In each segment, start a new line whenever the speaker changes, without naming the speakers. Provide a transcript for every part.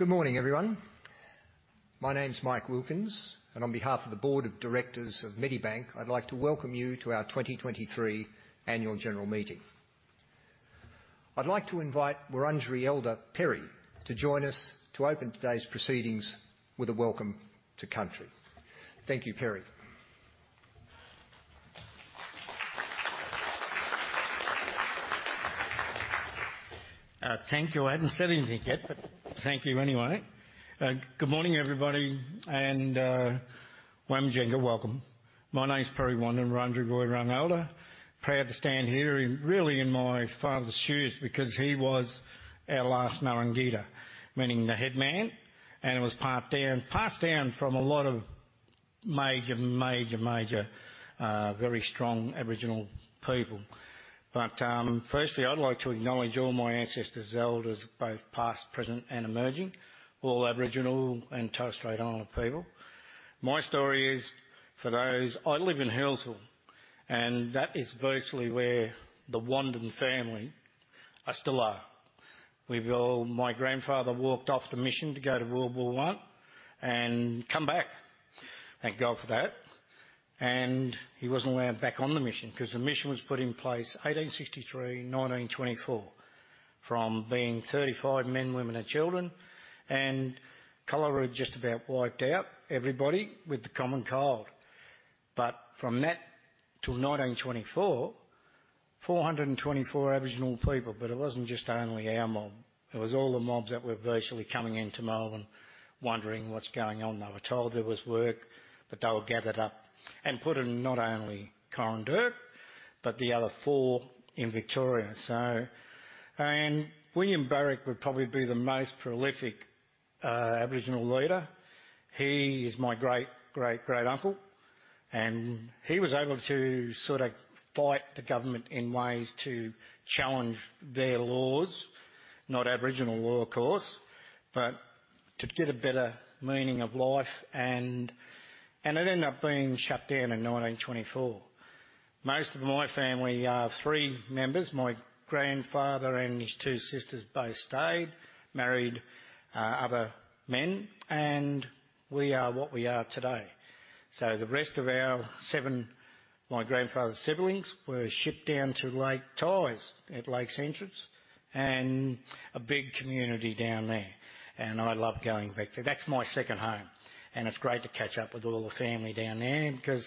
Good morning, everyone. My name is Mike Wilkins, and on behalf of the Board of Directors of Medibank, I'd like to welcome you to our 2023 Annual General Meeting. I'd like to invite Wurundjeri Elder, Perry, to join us to open today's proceedings with a welcome to country. Thank you, Perry.
Thank you. I hadn't said anything yet, but thank you anyway. Good morning, everybody, and Wominjanga, welcome. My name is Perry Wandin, Wurundjeri Woi-wurrung Elder. Proud to stand here, in really in my father's shoes, because he was our last Ngurungaeta, meaning the head man, and it was passed down, passed down from a lot of major, major, major, very strong Aboriginal people. But, firstly, I'd like to acknowledge all my ancestors, Elders, both past, present, and emerging. All Aboriginal and Torres Strait Islander people. My story is, for those. I live in Healesville, and that is virtually where the Wandin family, I still are. We've all— My grandfather walked off the mission to go to World War I and come back. Thank God for that. He wasn't allowed back on the mission because the mission was put in place 1863, 1924, from being 35 men, women, and children, and cholera just about wiped out everybody with the common cold. But from that till 1924, 424 Aboriginal people, but it wasn't just only our mob. It was all the mobs that were virtually coming into Melbourne, wondering what's going on. They were told there was work, but they were gathered up and put in not only Coranderrk, but the other four in Victoria, so. And William Barak would probably be the most prolific Aboriginal leader. He is my great, great, great uncle, and he was able to fight the government in ways to challenge their laws, not Aboriginal law, of course, but to get a better meaning of life, and, and it ended up being shut down in 1924. Most of my family, three members, my grandfather and his two sisters, both stayed, married other men, and we are what we are today. So the rest of our seven, my grandfather's siblings, were shipped down to Lake Tyers at Lakes Entrance and a big community down there. And I love going back there. That's my second home, and it's great to catch up with all the family down there because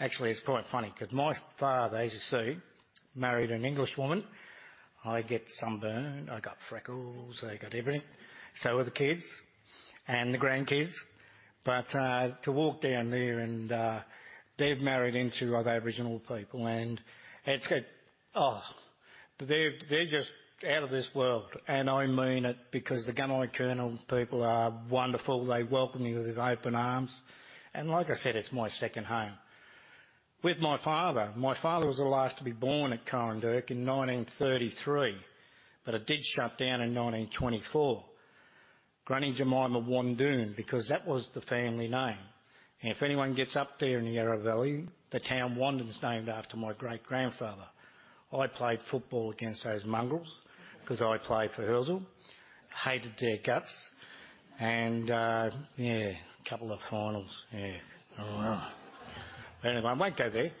actually, it's quite funny, 'cause my father, as you see, married an English woman. I get sunburn, I got freckles, I got everything. So are the kids and the grandkids. But to walk down there and they've married into other Aboriginal people, and it's good. They're, they're just out of this world. And I mean it because the Gunai Kurnai people are wonderful. They welcome you with open arms. And like I said, it's my second home. With my father, my father was the last to be born at Coranderrk in 1933, but it did shut down in 1924. Granny Jemima Wandin, because that was the family name. And if anyone gets up there in the Yarra Valley, the town Wandin is named after my great-grandfather. I played football against those mongrels 'cause I played for Healesville, hated their guts, and couple of finals. Anyway, I won't go there.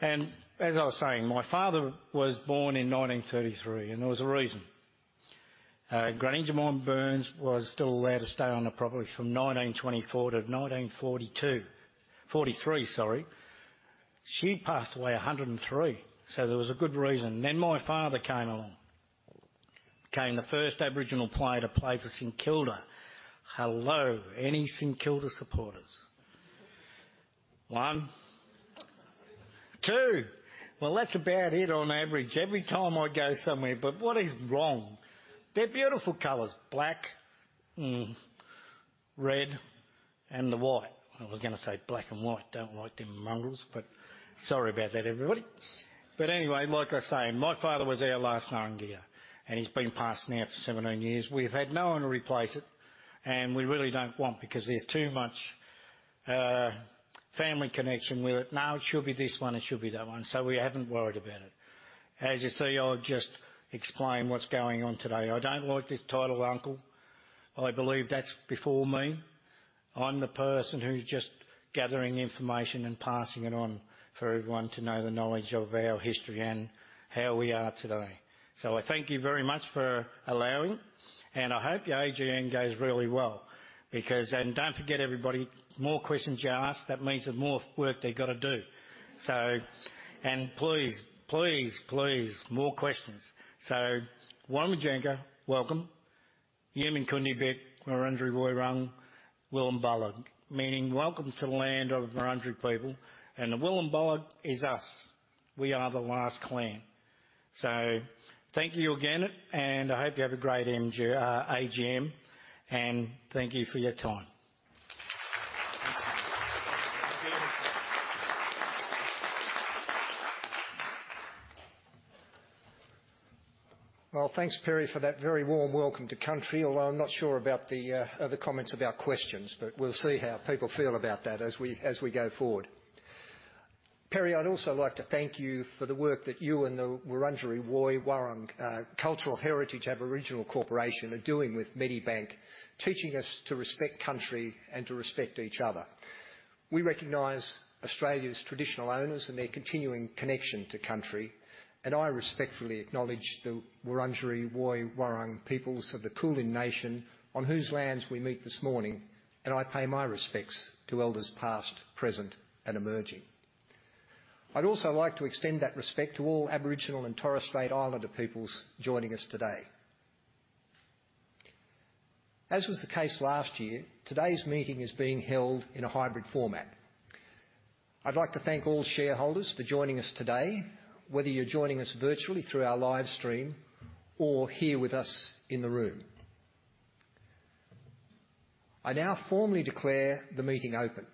And as I was saying, my father was born in 1933, and there was a reason. Granny Jemima Burns was still allowed to stay on the property from 1924 to 1942. 1943, sorry. She passed away 103, so there was a good reason. Then my father came along, became the first Aboriginal player to play for St. Kilda. Hello, any St. Kilda supporters? One, two. That's about it on average, every time I go somewhere. But what is wrong? They're beautiful colors, black, red, and the white. I was gonna say black and white, don't like them mongrels, but sorry about that, everybody. But anyway, like I say, my father was our last Ngurungaeta, and he's been passed now for 17 years. We've had no one to replace it, and we really don't want because there's too much, family connection with it. Now, it should be this one, it should be that one. So we haven't worried about it. As you see, I'll just explain what's going on today. I don't like this title, Uncle. I believe that's before me. I'm the person who's just gathering information and passing it on for everyone to know the knowledge of our history and how we are today. So I thank you very much for allowing, and I hope your AGM goes really well, because. And don't forget, everybody, more questions you ask, that means the more work they've got to do. So, and please, please, please, more questions. So Wominjanga, welcome. Yimenkunder Bek, Wurundjeri Woi-wurrung, Willembeal, meaning welcome to the land of Wurundjeri people, and the Willembeal is us. We are the last clan. So thank you again, and I hope you have a great AGM, and thank you for your time.
Thanks, Perry, for that very warm welcome to Country, although I'm not sure about the, the comments about questions, but we'll see how people feel about that as we, as we go forward. Perry, I'd also like to thank you for the work that you and the Wurundjeri Woi-wurrung Cultural Heritage Aboriginal Corporation are doing with Medibank, teaching us to respect Country and to respect each other. We recognize Australia's traditional owners and their continuing connection to Country, and I respectfully acknowledge the Wurundjeri Woi-wurrung peoples of the Kulin Nation, on whose lands we meet this morning, and I pay my respects to elders past, present, and emerging. I'd also like to extend that respect to all Aboriginal and Torres Strait Islander peoples joining us today. As was the case last year, today's meeting is being held in a hybrid format. I'd like to thank all shareholders for joining us today, whether you're joining us virtually through our live stream or here with us in the room. I now formally declare the meeting open.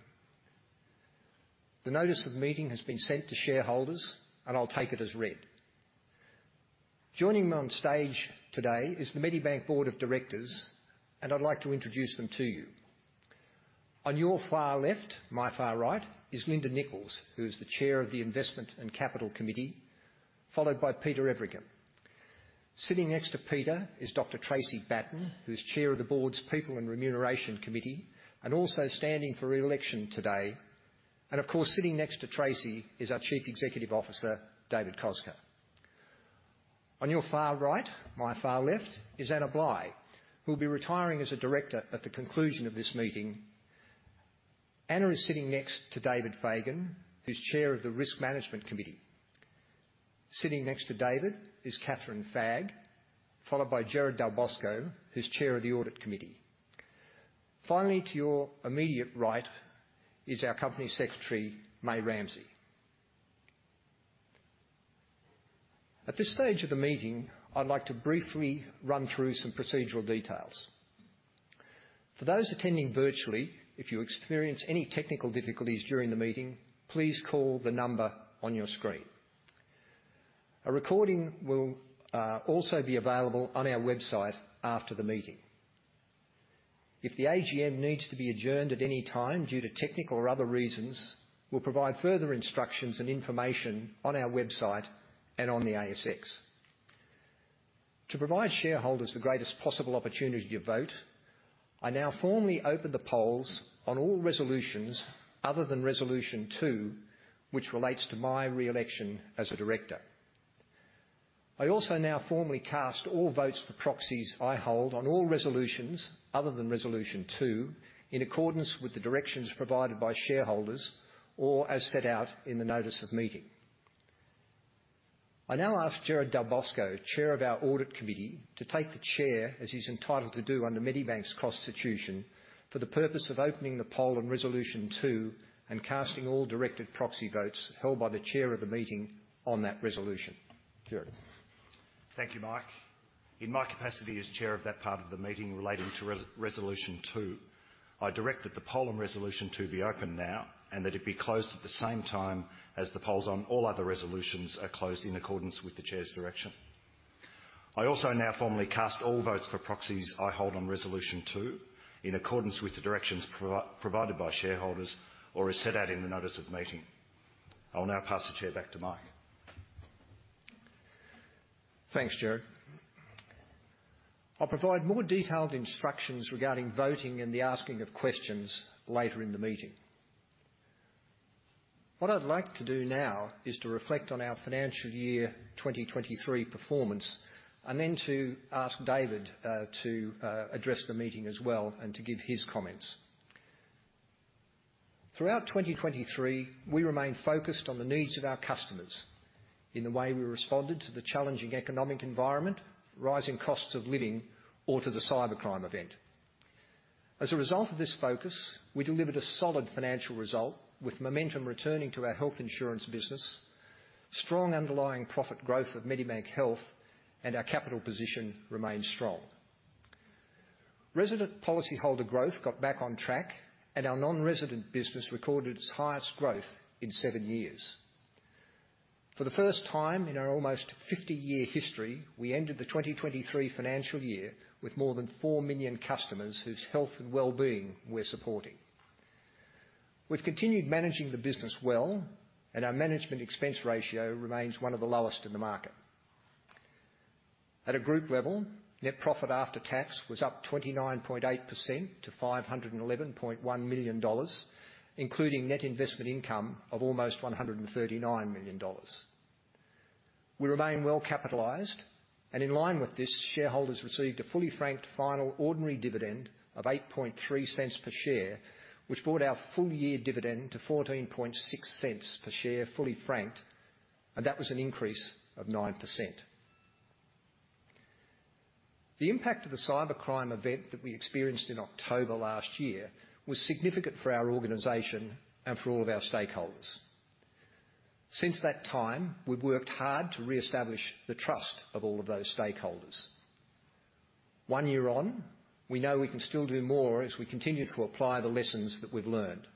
The notice of the meeting has been sent to shareholders, and I'll take it as read. Joining me on stage today is the Medibank Board of Directors, and I'd like to introduce them to you. On your far left, my far right, is Linda Nicholls, who is the Chair of the Investment and Capital Committee, followed by Peter Everingham. Sitting next to Peter is Dr. Tracey Batten, who's Chair of the Board's People and Remuneration Committee, and also standing for re-election today. Of course, sitting next to Tracey is our Chief Executive Officer, David Koczkar. On your far right, my far left, is Anna Bligh, who'll be retiring as a director at the conclusion of this meeting. Anna is sitting next to David Fagan, who's Chair of the Risk Management Committee. Sitting next to David is Kathryn Fagg, followed by Gerard Dalbosco, who's Chair of the Audit Committee. Finally, to your immediate right is our Company Secretary, Mei Ramsay. At this stage of the meeting, I'd like to briefly run through some procedural details. For those attending virtually, if you experience any technical difficulties during the meeting, please call the number on your screen. A recording will also be available on our website after the meeting. If the AGM needs to be adjourned at any time due to technical or other reasons, we'll provide further instructions and information on our website and on the ASX. To provide shareholders the greatest possible opportunity to vote, I now formally open the polls on all resolutions other than Resolution Two, which relates to my re-election as a director. I also now formally cast all votes for proxies I hold on all resolutions, other than Resolution Two, in accordance with the directions provided by shareholders or as set out in the notice of meeting. I now ask Gerard Dalbosco, Chair of our Audit Committee, to take the chair, as he's entitled to do under Medibank's constitution, for the purpose of opening the poll on Resolution Two and casting all directed proxy votes held by the chair of the meeting on that resolution. Gerard?
Thank you, Mike. In my capacity as Chair of that part of the meeting relating to Resolution Two, I direct that the poll on Resolution Two be open now and that it be closed at the same time as the polls on all other resolutions are closed in accordance with the Chair's direction. I also now formally cast all votes for proxies I hold on Resolution Two, in accordance with the directions provided by shareholders or as set out in the notice of meeting. I will now pass the chair back to Mike.
Thanks, Gerard. I'll provide more detailed instructions regarding voting and the asking of questions later in the meeting. What I'd like to do now is to reflect on our financial year 2023 performance, and then to ask David to address the meeting and to give his comments. Throughout 2023, we remained focused on the needs of our customers in the way we responded to the challenging economic environment, rising costs of living, or to the cybercrime event. As a result of this focus, we delivered a solid financial result with momentum returning to our health insurance business, strong underlying profit growth of Medibank Health, and our capital position remains strong. Resident policyholder growth got back on track, and our non-resident business recorded its highest growth in seven years. For the first time in our almost 50-year history, we ended the 2023 financial year with more than 4 million customers whose health and wellbeing we're supporting. We've continued managing the business well, and our management expense ratio remains one of the lowest in the market. At a group level, net profit after tax was up 29.8% to 511.1 million dollars, including net investment income of almost 139 million dollars. We remain well capitalized, and in line with this, shareholders received a fully franked final ordinary dividend of 0.083 per share, which brought our full year dividend to 0.146 per share, fully franked, and that was an increase of 9%. The impact of the cybercrime event that we experienced in October last year was significant for our organization and for all of our stakeholders. Since that time, we've worked hard to reestablish the trust of all of those stakeholders. One year on, we know we can still do more as we continue to apply the lessons that we've learned.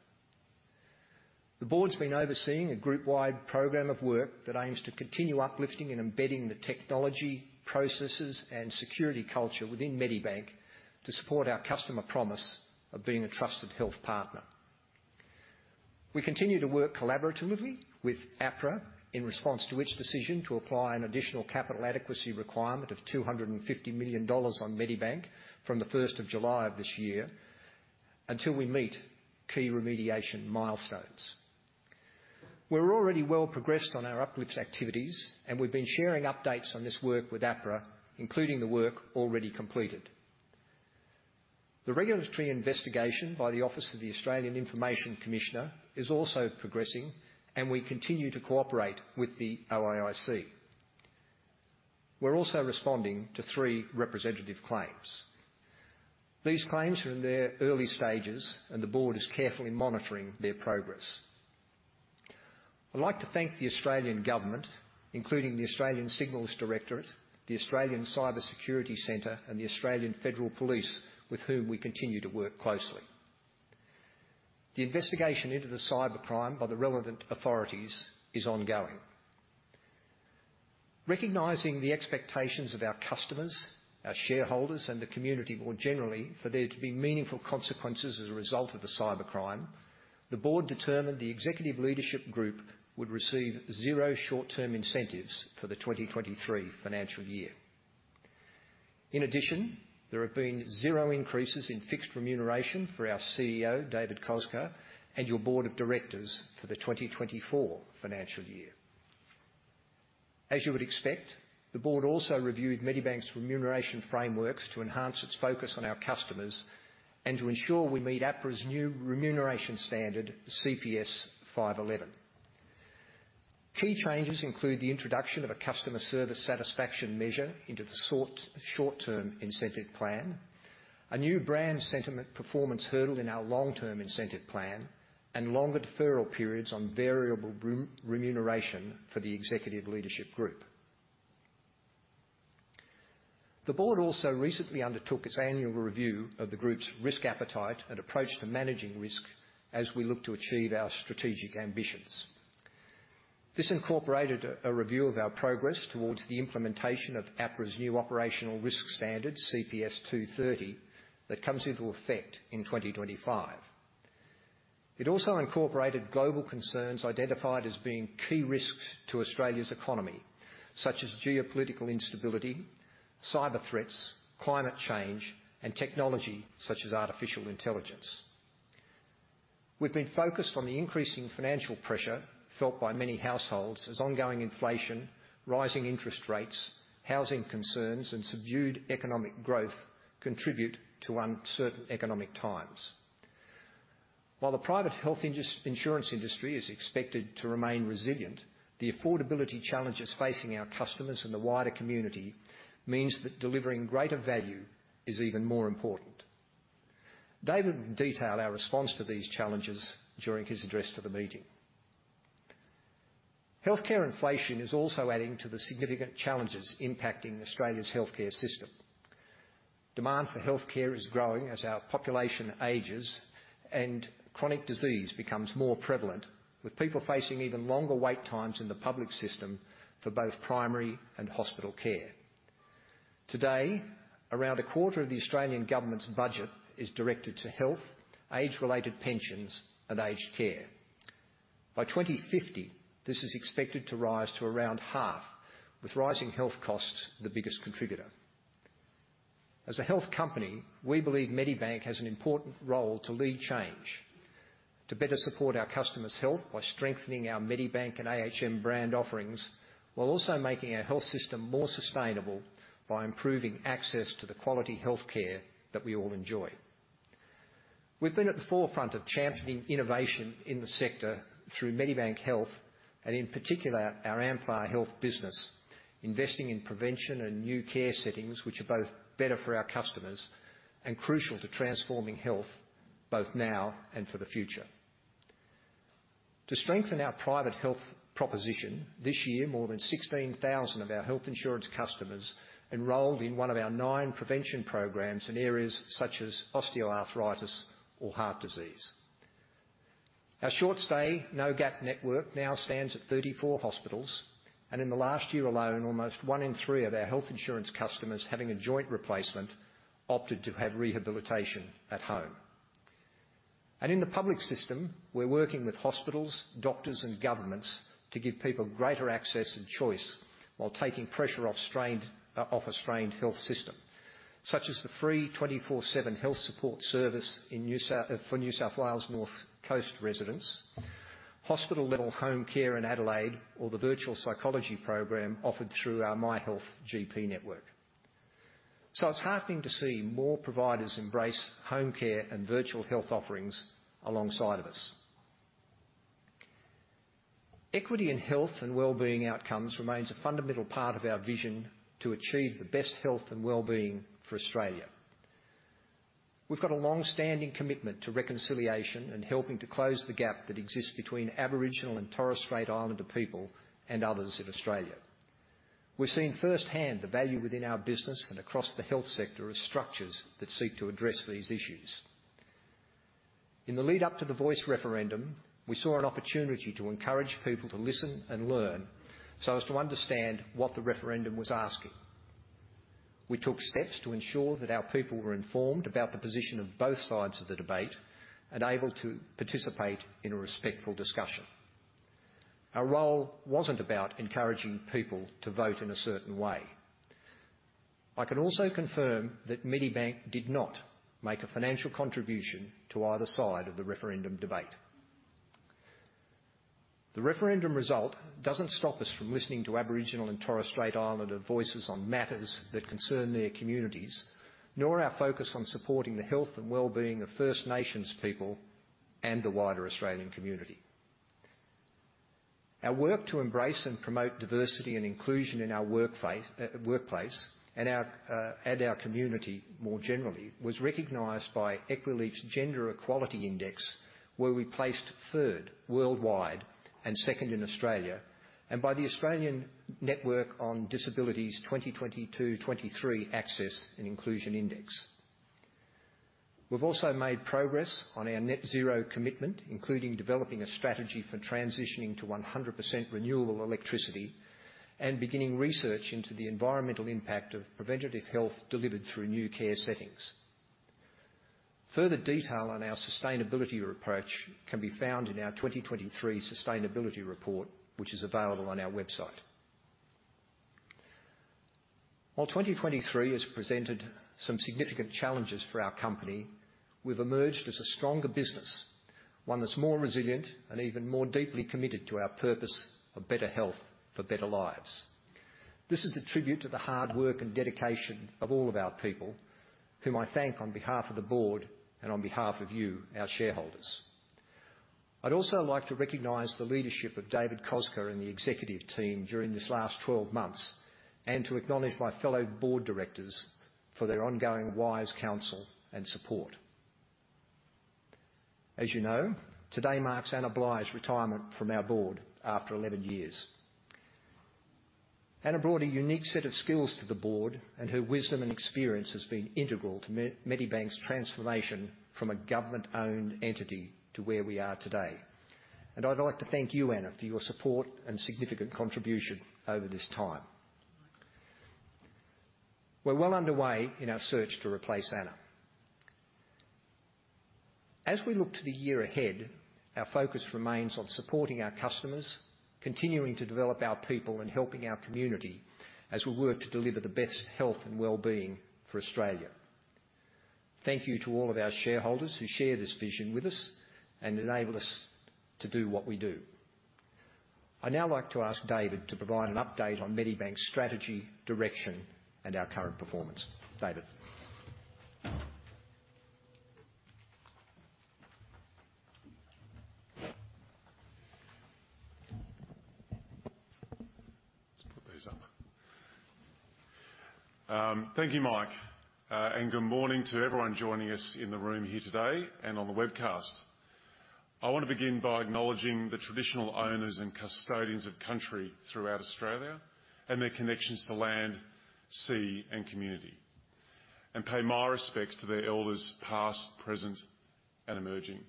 The board's been overseeing a group-wide program of work that aims to continue uplifting and embedding the technology, processes, and security culture within Medibank to support our customer promise of being a trusted health partner. We continue to work collaboratively with APRA, in response to which decision to apply an additional capital adequacy requirement of 250 million dollars on Medibank from the first of July of this year, until we meet key remediation milestones. We're already well progressed on our uplifts activities, and we've been sharing updates on this work with APRA, including the work already completed. The regulatory investigation by the Office of the Australian Information Commissioner is also progressing, and we continue to cooperate with the OAIC. We're also responding to three representative claims. These claims are in their early stages, and the board is carefully monitoring their progress. I'd like to thank the Australian government, including the Australian Signals Directorate, the Australian Cybersecurity Centre, and the Australian Federal Police, with whom we continue to work closely. The investigation into the cybercrime by the relevant authorities is ongoing. Recognizing the expectations of our customers, our shareholders, and the community more generally, for there to be meaningful consequences as a result of the cybercrime, the board determined the executive leadership group would receive zero short-term incentives for the 2023 financial year. In addition, there have been zero increases in fixed remuneration for our CEO, David Koczkar, and your board of directors for the 2024 financial year. As you would expect, the board also reviewed Medibank's remuneration frameworks to enhance its focus on our customers and to ensure we meet APRA's new remuneration standard, CPS 511. Key changes include the introduction of a customer service satisfaction measure into the short-term incentive plan, a new brand sentiment performance hurdle in our long-term incentive plan, and longer deferral periods on variable remuneration for the executive leadership group. The board also recently undertook its annual review of the Group's risk appetite and approach to managing risk as we look to achieve our strategic ambitions. This incorporated a review of our progress towards the implementation of APRA's new operational risk standard, CPS 230, that comes into effect in 2025. It also incorporated global concerns identified as being key risks to Australia's economy, such as geopolitical instability, cyber threats, climate change, and technology such as artificial intelligence. We've been focused on the increasing financial pressure felt by many households as ongoing inflation, rising interest rates, housing concerns, and subdued economic growth contribute to uncertain economic times. While the private health insurance industry is expected to remain resilient, the affordability challenges facing our customers and the wider community means that delivering greater value is even more important. David will detail our response to these challenges during his address to the meeting. Healthcare inflation is also adding to the significant challenges impacting Australia's healthcare system. Demand for healthcare is growing as our population ages and chronic disease becomes more prevalent, with people facing even longer wait times in the public system for both primary and hospital care. Today, around a quarter of the Australian government's budget is directed to health, age-related pensions, and aged care. By 2050, this is expected to rise to around half, with rising health costs the biggest contributor. As a health company, we believe Medibank has an important role to lead change, to better support our customers' health by strengthening our Medibank and AHM brand offerings, while also making our health system more sustainable by improving access to the quality healthcare that we all enjoy. We've been at the forefront of championing innovation in the sector through Medibank Health, and in particular, our Amplar Health business, investing in prevention and new care settings, which are both better for our customers and crucial to transforming health both now and for the future. To strengthen our private health proposition, this year, more than 16,000 of our health insurance customers enrolled in one of our nine prevention programs in areas such as osteoarthritis or heart disease. Our short-stay, No Gap network now stands at 34 hospitals, and in the last year alone, almost one in three of our health insurance customers having a joint replacement opted to have rehabilitation at home. In the public system, we're working with hospitals, doctors, and governments to give people greater access and choice while taking pressure off a strained health system, such as the free 24/7 health support service for New South Wales North Coast residents, hospital-level home care in Adelaide, or the virtual psychology program offered through our Myhealth GP network. So it's heartening to see more providers embrace home care and virtual health offerings alongside of us. Equity in health and wellbeing outcomes remains a fundamental part of our vision to achieve the best health and wellbeing for Australia. We've got a long-standing commitment to reconciliation and helping to close the gap that exists between Aboriginal and Torres Strait Islander people and others in Australia. We've seen firsthand the value within our business and across the health sector as structures that seek to address these issues. In the lead-up to the Voice referendum, we saw an opportunity to encourage people to listen and learn so as to understand what the referendum was asking. We took steps to ensure that our people were informed about the position of both sides of the debate and able to participate in a respectful discussion. Our role wasn't about encouraging people to vote in a certain way. I can also confirm that Medibank did not make a financial contribution to either side of the referendum debate. The referendum result doesn't stop us from listening to Aboriginal and Torres Strait Islander voices on matters that concern their communities, nor our focus on supporting the health and well-being of First Nations people and the wider Australian community. Our work to embrace and promote diversity and inclusion in our workplace and our, and our community, more generally, was recognized by Equileap's Gender Equality Index, where we placed third worldwide and second in Australia, and by the Australian Network on Disabilities' 2022/2023 Access and Inclusion Index. We've also made progress on our net zero commitment, including developing a strategy for transitioning to 100% renewable electricity and beginning research into the environmental impact of preventative health delivered through new care settings. Further detail on our sustainability approach can be found in our 2023 sustainability report, which is available on our website. While 2023 has presented some significant challenges for our company, we've emerged as a stronger business, one that's more resilient and even more deeply committed to our purpose of better health for better lives. This is a tribute to the hard work and dedication of all of our people, whom I thank on behalf of the board and on behalf of you, our shareholders. I'd also like to recognize the leadership of David Koczkar and the executive team during this last 12 months, and to acknowledge my fellow board directors for their ongoing wise counsel and support. As you know, today marks Anna Bligh's retirement from our board after 11 years. Anna brought a unique set of skills to the Board, and her wisdom and experience has been integral to Medibank's transformation from a government-owned entity to where we are today, and I'd like to thank you, Anna, for your support and significant contribution over this time. We're well underway in our search to replace Anna. As we look to the year ahead, our focus remains on supporting our customers, continuing to develop our people, and helping our community as we work to deliver the best health and well-being for Australia. Thank you to all of our shareholders who share this vision with us and enable us to do what we do. I'd now like to ask David to provide an update on Medibank's strategy, direction, and our current performance. David?
Let's put these up. Thank you, Mike, and good morning to everyone joining us in the room here today and on the webcast. I want to begin by acknowledging the traditional owners and custodians of country throughout Australia and their connections to land, sea, and community, and pay my respects to their elders past, present, and emerging.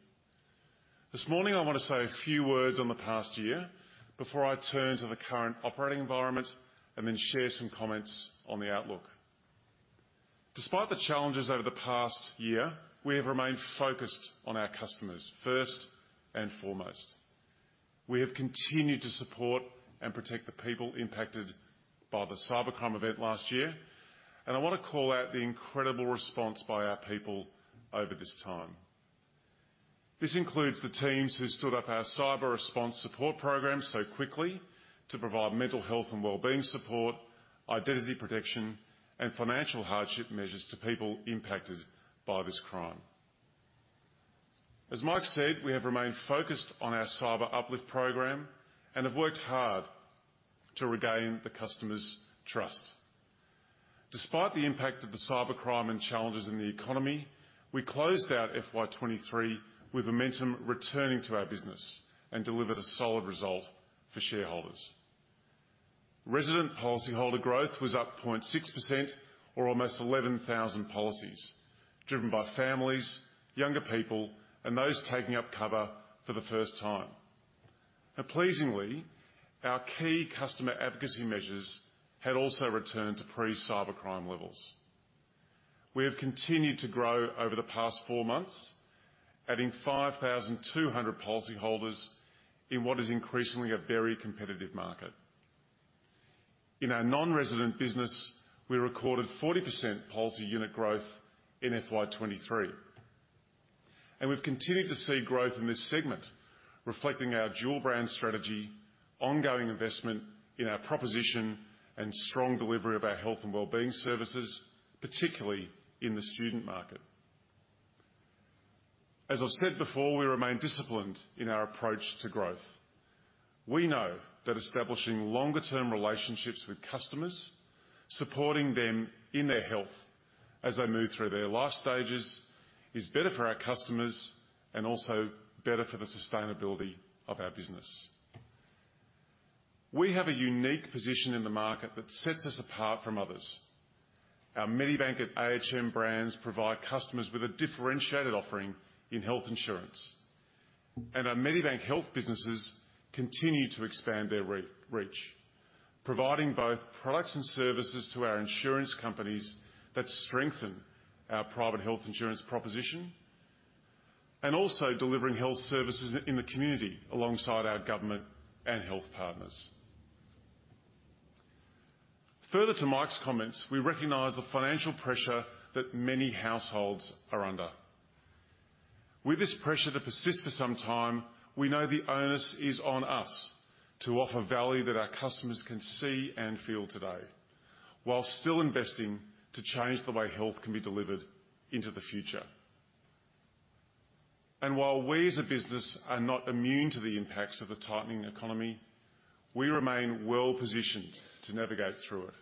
This morning, I want to say a few words on the past year before I turn to the current operating environment and then share some comments on the outlook. Despite the challenges over the past year, we have remained focused on our customers first and foremost. We have continued to support and protect the people impacted by the cybercrime event last year, and I want to call out the incredible response by our people over this time. This includes the teams who stood up our cyber response support program so quickly to provide mental health and well-being support, identity protection, and financial hardship measures to people impacted by this crime. As Mike said, we have remained focused on our cyber uplift program and have worked hard to regain the customers' trust. Despite the impact of the cybercrime and challenges in the economy, we closed out FY 2023 with momentum returning to our business and delivered a solid result for shareholders. Retained policyholder growth was up 0.6%, or almost 11,000 policies, driven by families, younger people, and those taking up cover for the first time. Pleasingly, our key customer advocacy measures had also returned to pre-cybercrime levels. We have continued to grow over the past four months, adding 5,200 policyholders in what is increasingly a very competitive market. In our non-resident business, we recorded 40% policy unit growth in FY 2023, and we've continued to see growth in this segment, reflecting our dual brand strategy, ongoing investment in our proposition, and strong delivery of our health and well-being services, particularly in the student market. As I've said before, we remain disciplined in our approach to growth. We know that establishing longer-term relationships with customers supporting them in their health as they move through their life stages, is better for our customers and also better for the sustainability of our business. We have a unique position in the market that sets us apart from others. Our Medibank and ahm brands provide customers with a differentiated offering in health insurance, and our Medibank Health businesses continue to expand their reach, providing both products and services to our insurance companies that strengthen our private health insurance proposition, and also delivering health services in the community alongside our government and health partners. Further to Mike's comments, we recognize the financial pressure that many households are under. With this pressure to persist for some time, we know the onus is on us to offer value that our customers can see and feel today, while still investing to change the way health can be delivered into the future. While we as a business are not immune to the impacts of the tightening economy, we remain well positioned to navigate through it.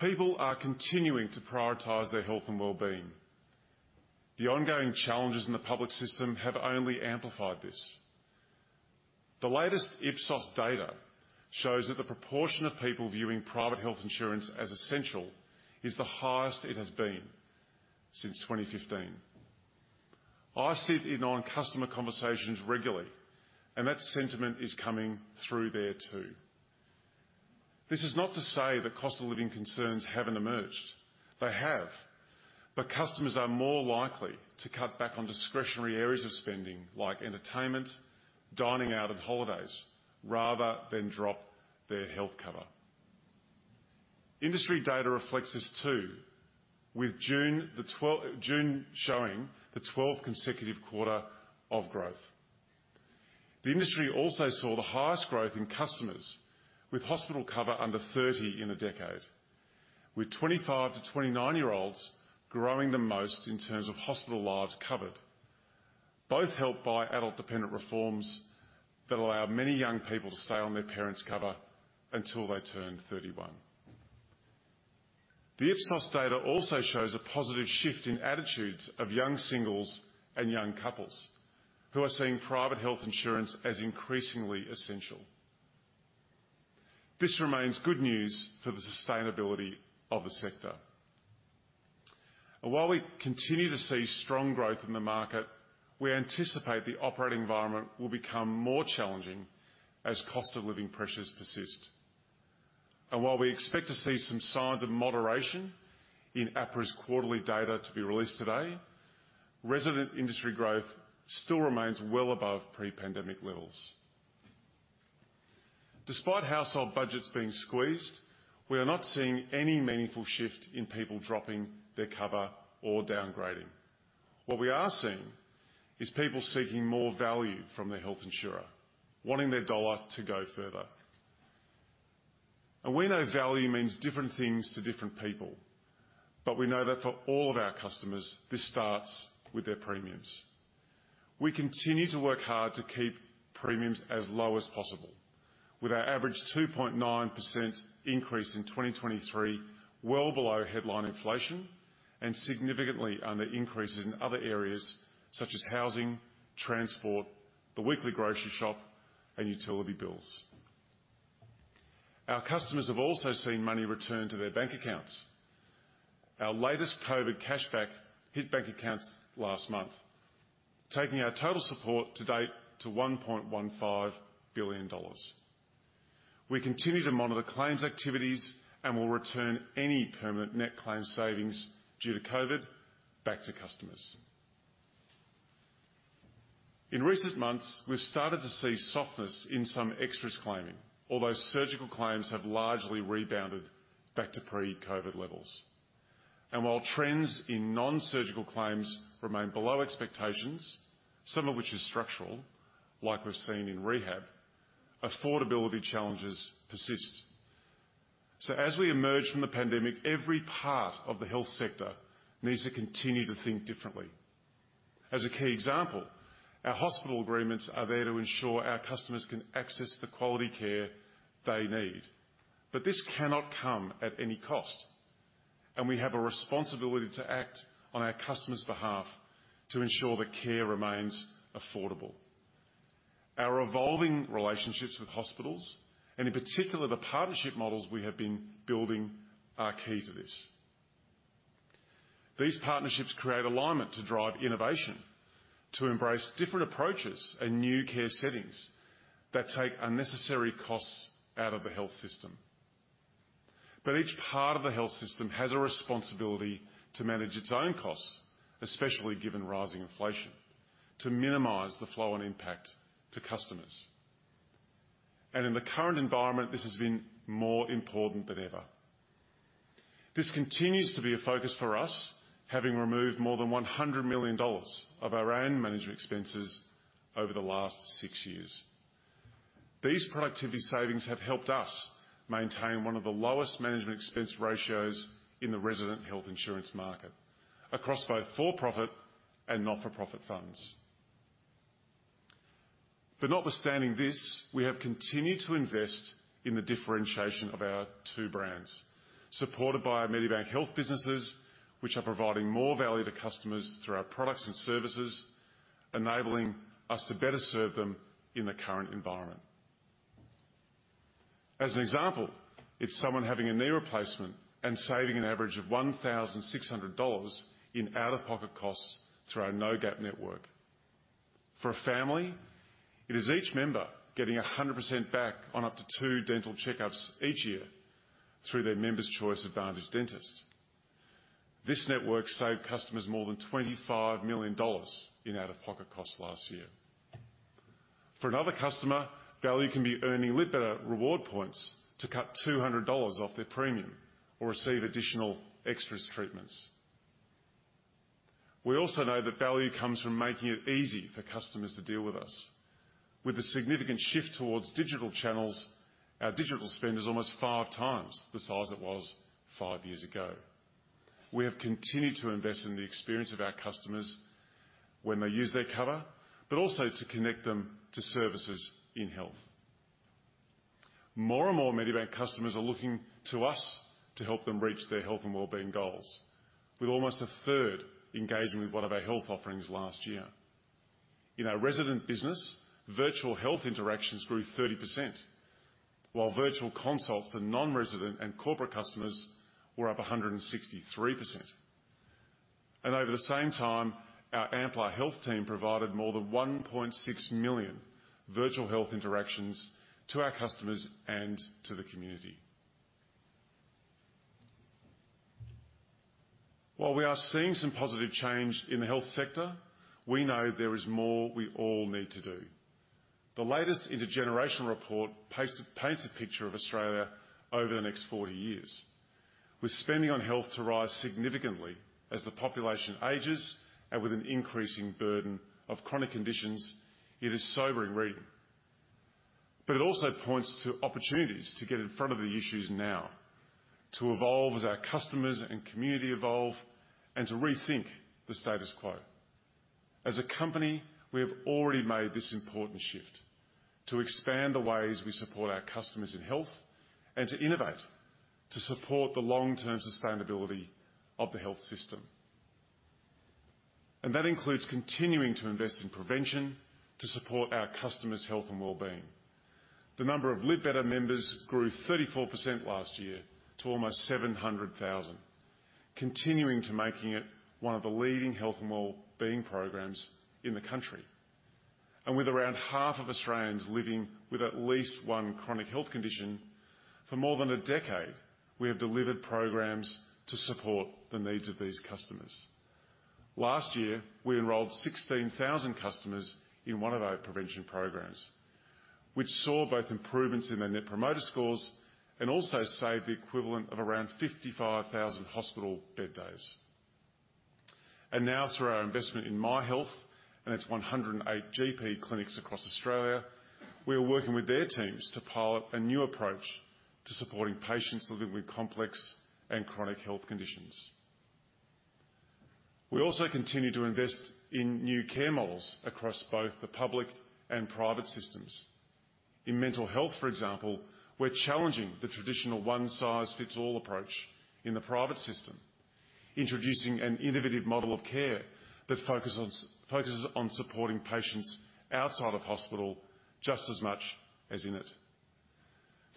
People are continuing to prioritize their health and well-being. The ongoing challenges in the public system have only amplified this. The latest Ipsos data shows that the proportion of people viewing private health insurance as essential is the highest it has been since 2015. I sit in on customer conversations regularly, and that sentiment is coming through there, too. This is not to say that cost of living concerns haven't emerged. They have, but customers are more likely to cut back on discretionary areas of spending, like entertainment, dining out, and holidays, rather than drop their health cover. Industry data reflects this, too, with June showing the 12th consecutive quarter of growth. The industry also saw the highest growth in customers, with hospital cover under 30 in a decade, with 25-29-year-olds growing the most in terms of hospital lives covered, both helped by adult dependent reforms that allow many young people to stay on their parents' cover until they turn 31. The Ipsos data also shows a positive shift in attitudes of young singles and young couples, who are seeing private health insurance as increasingly essential. This remains good news for the sustainability of the sector. And while we continue to see strong growth in the market, we anticipate the operating environment will become more challenging as cost of living pressures persist. And while we expect to see some signs of moderation in APRA's quarterly data to be released today, resident industry growth still remains well above pre-pandemic levels. Despite household budgets being squeezed, we are not seeing any meaningful shift in people dropping their cover or downgrading. What we are seeing is people seeking more value from their health insurer, wanting their dollar to go further. And we know value means different things to different people, but we know that for all of our customers, this starts with their premiums. We continue to work hard to keep premiums as low as possible, with our average 2.9% increase in 2023, well below headline inflation and significantly under increases in other areas such as housing, transport, the weekly grocery shop, and utility bills. Our customers have also seen money returned to their bank accounts. Our latest COVID cashback hit bank accounts last month, taking our total support to date to 1.15 billion dollars. We continue to monitor claims activities and will return any permanent net claims savings due to COVID back to customers. In recent months, we've started to see softness in some extras claiming, although surgical claims have largely rebounded back to pre-COVID levels. And while trends in nonsurgical claims remain below expectations, some of which is structural, like we've seen in rehab, affordability challenges persist. So as we emerge from the pandemic, every part of the health sector needs to continue to think differently. As a key example, our hospital agreements are there to ensure our customers can access the quality care they need. But this cannot come at any cost, and we have a responsibility to act on our customer's behalf to ensure that care remains affordable. Our evolving relationships with hospitals, and in particular, the partnership models we have been building, are key to this. These partnerships create alignment to drive innovation, to embrace different approaches and new care settings that take unnecessary costs out of the health system. But each part of the health system has a responsibility to manage its own costs, especially given rising inflation, to minimize the flow and impact to customers. And in the current environment, this has been more important than ever. This continues to be a focus for us, having removed more than 100 million dollars of our own management expenses over the last six years. These productivity savings have helped us maintain one of the lowest management expense ratios in the private health insurance market across both for-profit and not-for-profit funds. Notwithstanding this, we have continued to invest in the differentiation of our two brands, supported by our Medibank Health businesses, which are providing more value to customers through our products and services, enabling us to better serve them in the current environment. As an example, it's someone having a knee replacement and saving an average of 1,600 dollars in out-of-pocket costs through our No Gap network. For a family, it is each member getting 100% back on up to 2 dental checkups each year through their Members' Choice Advantage dentist. This network saved customers more than 25 million dollars in out-of-pocket costs last year. For another customer, value can be earning Live Better reward points to cut 200 dollars off their premium or receive additional extras treatments. We also know that value comes from making it easy for customers to deal with us. With a significant shift towards digital channels, our digital spend is almost 5 times the size it was 5 years ago. We have continued to invest in the experience of our customers when they use their cover, but also to connect them to services in Health. More and more Medibank customers are looking to us to help them reach their health and wellbeing goals, with almost a third engaging with one of our health offerings last year. In our insurance business, virtual health interactions grew 30%, while virtual consults for non-insurance and corporate customers were up 163%. Over the same time, our Amplar Health team provided more than 1.6 million virtual health interactions to our customers and to the community. While we are seeing some positive change in the health sector, we know there is more we all need to do. The latest Intergenerational Report paints a picture of Australia over the next 40 years, with spending on health to rise significantly as the population ages and with an increasing burden of chronic conditions. It is sobering reading. But it also points to opportunities to get in front of the issues now, to evolve as our customers and community evolve, and to rethink the status quo. As a company, we have already made this important shift to expand the ways we support our customers in health and to innovate, to support the long-term sustainability of the health system. And that includes continuing to invest in prevention to support our customers' health and wellbeing. The number of Live Better members grew 34% last year to almost 700,000, continuing to make it one of the leading health and wellbeing programs in the country. With around half of Australians living with at least one chronic health condition, for more than a decade, we have delivered programs to support the needs of these customers. Last year, we enrolled 16,000 customers in one of our prevention programs, which saw both improvements in their Net Promoter Scores and also saved the equivalent of around 55,000 hospital bed days. Now, through our investment in MyHealth and its 108 GP clinics across Australia, we are working with their teams to pilot a new approach to supporting patients living with complex and chronic health conditions. We also continue to invest in new care models across both the public and private systems. In mental health, for example, we're challenging the traditional one-size-fits-all approach in the private system, introducing an innovative model of care that focuses on supporting patients outside of hospital just as much as in it.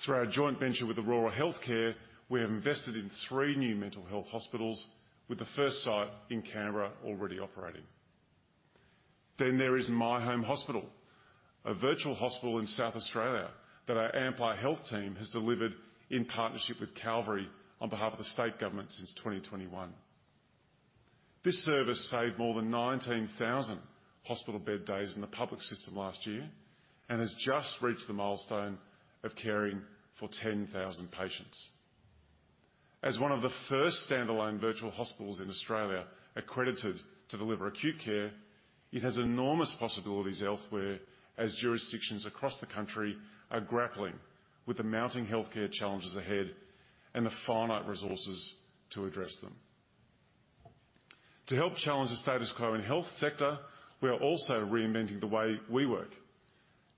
Through our joint venture with Aurora Healthcare, we have invested in three new mental health hospitals, with the first site in Canberra already operating. Then there is My Home Hospital, a virtual hospital in South Australia that our Amplar Health team has delivered in partnership with Calvary on behalf of the state government since 2021. This service saved more than 19,000 hospital bed days in the public system last year and has just reached the milestone of caring for 10,000 patients. As one of the first standalone virtual hospitals in Australia accredited to deliver acute care, it has enormous possibilities elsewhere, as jurisdictions across the country are grappling with the mounting healthcare challenges ahead and the finite resources to address them. To help challenge the status quo in health sector, we are also reinventing the way we work.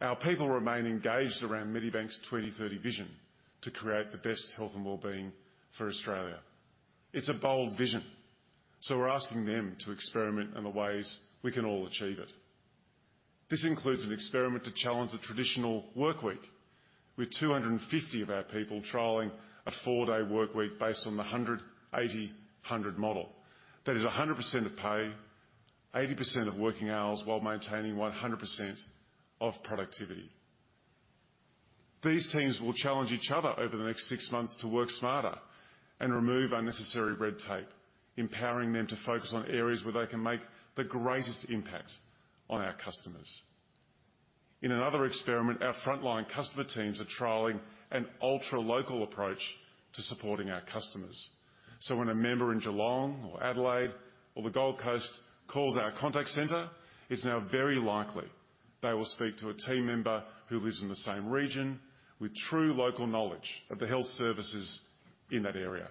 Our people remain engaged around Medibank's 2030 vision to create the best health and wellbeing for Australia. It's a bold vision, so we're asking them to experiment in the ways we can all achieve it. This includes an experiment to challenge the traditional workweek, with 250 of our people trialing a four-day workweek based on the 100, 80, 100 model. That is 100% of pay, 80% of working hours, while maintaining 100% of productivity. These teams will challenge each other over the next six months to work smarter and remove unnecessary red tape, empowering them to focus on areas where they can make the greatest impact on our customers. In another experiment, our frontline customer teams are trialing an ultra-local approach to supporting our customers. So when a member in Geelong or Adelaide or the Gold Coast calls our contact center, it's now very likely they will speak to a team member who lives in the same region with true local knowledge of the health services in that area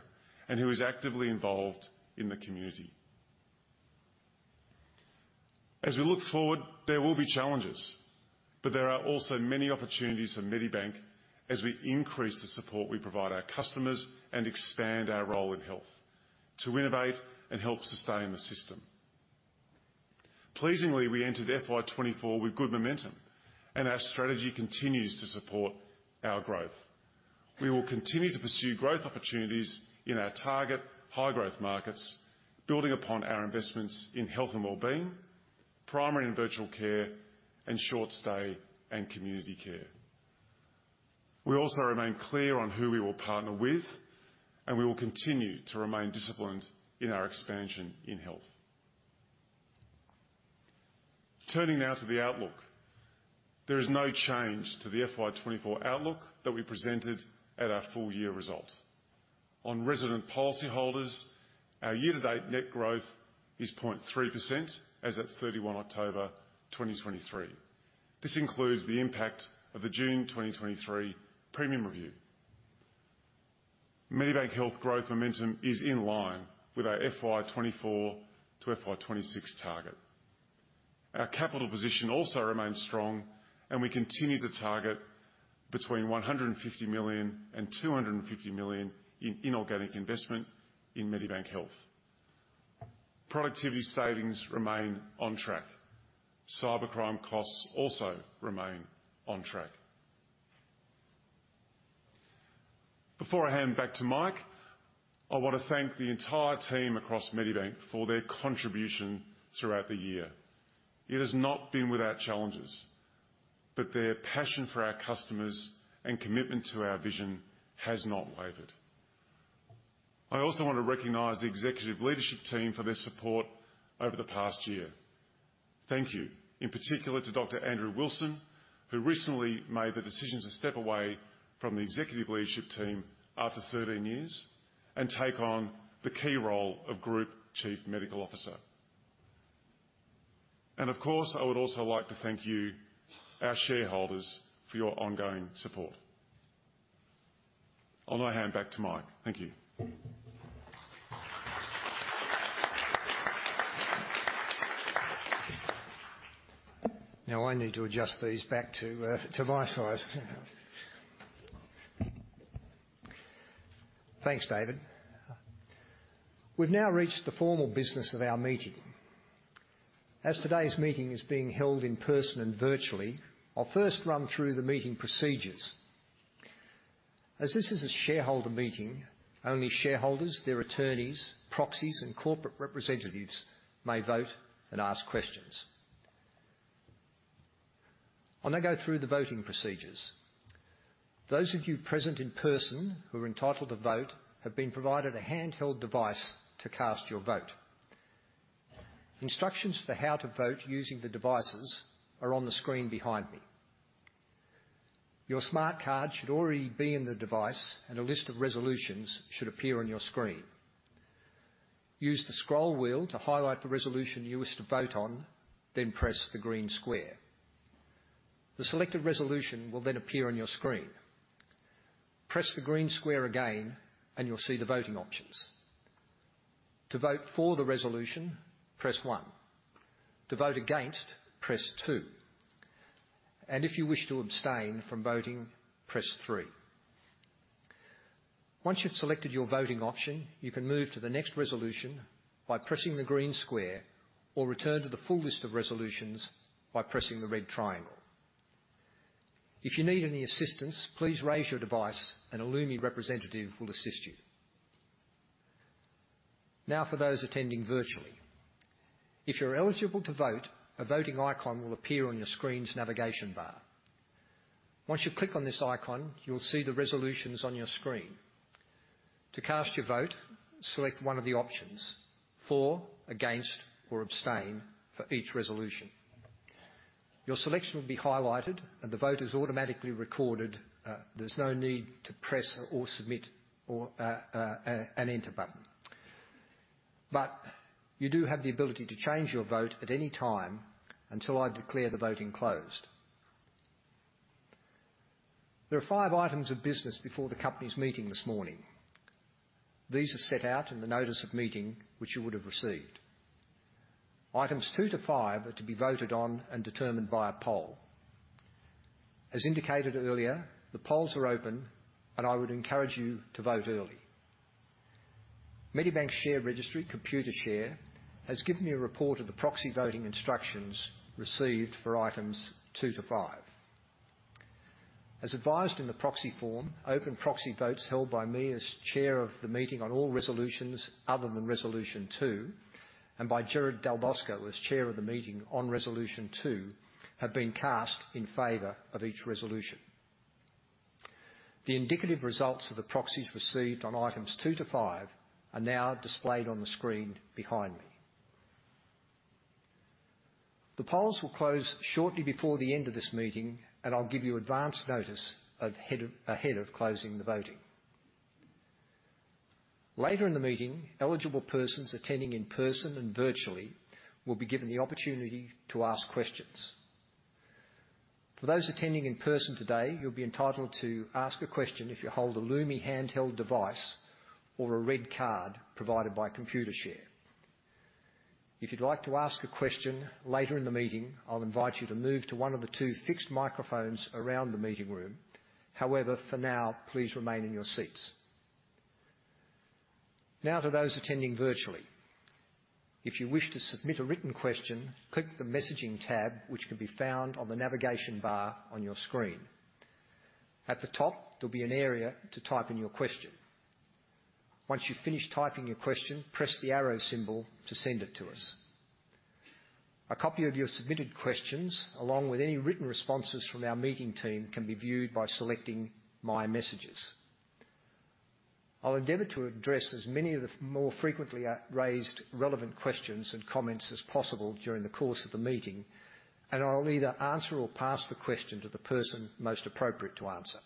and who is actively involved in the community. As we look forward, there will be challenges, but there are also many opportunities for Medibank as we increase the support we provide our customers and expand our role in health to innovate and help sustain the system. Pleasingly, we entered FY 2024 with good momentum, and our strategy continues to support our growth. We will continue to pursue growth opportunities in our target high-growth markets, building upon our investments in health and wellbeing, primary and virtual care, and short stay and community care. We also remain clear on who we will partner with, and we will continue to remain disciplined in our expansion in health. Turning now to the outlook. There is no change to the FY 2024 outlook that we presented at our full year result. On resident policyholders, our year-to-date net growth is 0.3% as at 31 October 2023. This includes the impact of the June 2023 premium review. Medibank Health growth momentum is in line with our FY 2024 to FY 2026 target. Our capital position also remains strong, and we continue to target between 150 million and 250 million in inorganic investment in Medibank Health. Productivity savings remain on track. Cybercrime costs also remain on track. Before I hand back to Mike, I want to thank the entire team across Medibank for their contribution throughout the year. It has not been without challenges, but their passion for our customers and commitment to our vision has not wavered. I also want to recognize the executive leadership team for their support over the past year. Thank you, in particular, to Dr. Andrew Wilson, who recently made the decision to step away from the executive leadership team after 13 years and take on the key role of Group Chief Medical Officer. And of course, I would also like to thank you, our shareholders, for your ongoing support. I'll now hand back to Mike. Thank you.
Now, I need to adjust these back to, to my size. Thanks, David. We've now reached the formal business of our meeting. As today's meeting is being held in person and virtually, I'll first run through the meeting procedures. As this is a shareholder meeting, only shareholders, their attorneys, proxies, and corporate representatives may vote and ask questions. I'll now go through the voting procedures. Those of you present in person who are entitled to vote have been provided a handheld device to cast your vote. Instructions for how to vote using the devices are on the screen behind me. Your smart card should already be in the device, and a list of resolutions should appear on your screen. Use the scroll wheel to highlight the resolution you wish to vote on, then press the green square. The selected resolution will then appear on your screen. Press the green square again, and you'll see the voting options. To vote for the resolution, press one. To vote against, press two, and if you wish to abstain from voting, press three. Once you've selected your voting option, you can move to the next resolution by pressing the green square or return to the full list of resolutions by pressing the red triangle. If you need any assistance, please raise your device, and a Lumi representative will assist you. Now, for those attending virtually, if you're eligible to vote, a voting icon will appear on your screen's navigation bar. Once you click on this icon, you'll see the resolutions on your screen. To cast your vote, select one of the options: for, against, or abstain for each resolution. Your selection will be highlighted, and the vote is automatically recorded. There's no need to press or submit or an Enter button. But you do have the ability to change your vote at any time until I declare the voting closed. There are five items of business before the company's meeting this morning. These are set out in the notice of meeting, which you would have received. Items two to five are to be voted on and determined by a poll. As indicated earlier, the polls are open, and I would encourage you to vote early. Medibank Share Registry, Computershare, has given me a report of the proxy voting instructions received for items two to five. As advised in the proxy form, open proxy votes held by me as chair of the meeting on all resolutions other than Resolution Two, and by Gerard Dalbosco, as chair of the meeting on Resolution Two, have been cast in favor of each resolution. The indicative results of the proxies received on items two to five are now displayed on the screen behind me. The polls will close shortly before the end of this meeting, and I'll give you advance notice ahead of closing the voting. Later in the meeting, eligible persons attending in person and virtually will be given the opportunity to ask questions. For those attending in person today, you'll be entitled to ask a question if you hold a Lumi handheld device or a red card provided by Computershare. If you'd like to ask a question later in the meeting, I'll invite you to move to one of the two fixed microphones around the meeting room. However, for now, please remain in your seats. Now, to those attending virtually, if you wish to submit a written question, click the Messaging tab, which can be found on the navigation bar on your screen. At the top, there'll be an area to type in your question. Once you've finished typing your question, press the arrow symbol to send it to us. A copy of your submitted questions, along with any written responses from our meeting team, can be viewed by selecting My Messages. I'll endeavor to address as many of the more frequently raised relevant questions and comments as possible during the course of the meeting, and I'll either answer or pass the question to the person most appropriate to answer.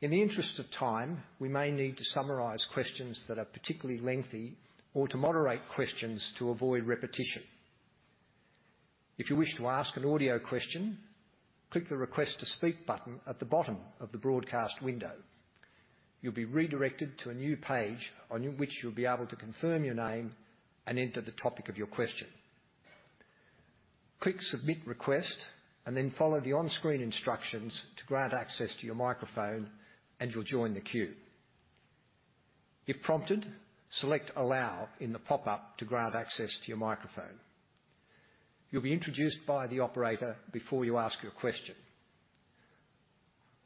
In the interest of time, we may need to summarize questions that are particularly lengthy or to moderate questions to avoid repetition. If you wish to ask an audio question, click the Request to Speak button at the bottom of the broadcast window. You'll be redirected to a new page, on which you'll be able to confirm your name and enter the topic of your question. Click Submit Request, and then follow the on-screen instructions to grant access to your microphone, and you'll join the queue. If prompted, select Allow in the pop-up to grant access to your microphone. You'll be introduced by the operator before you ask your question.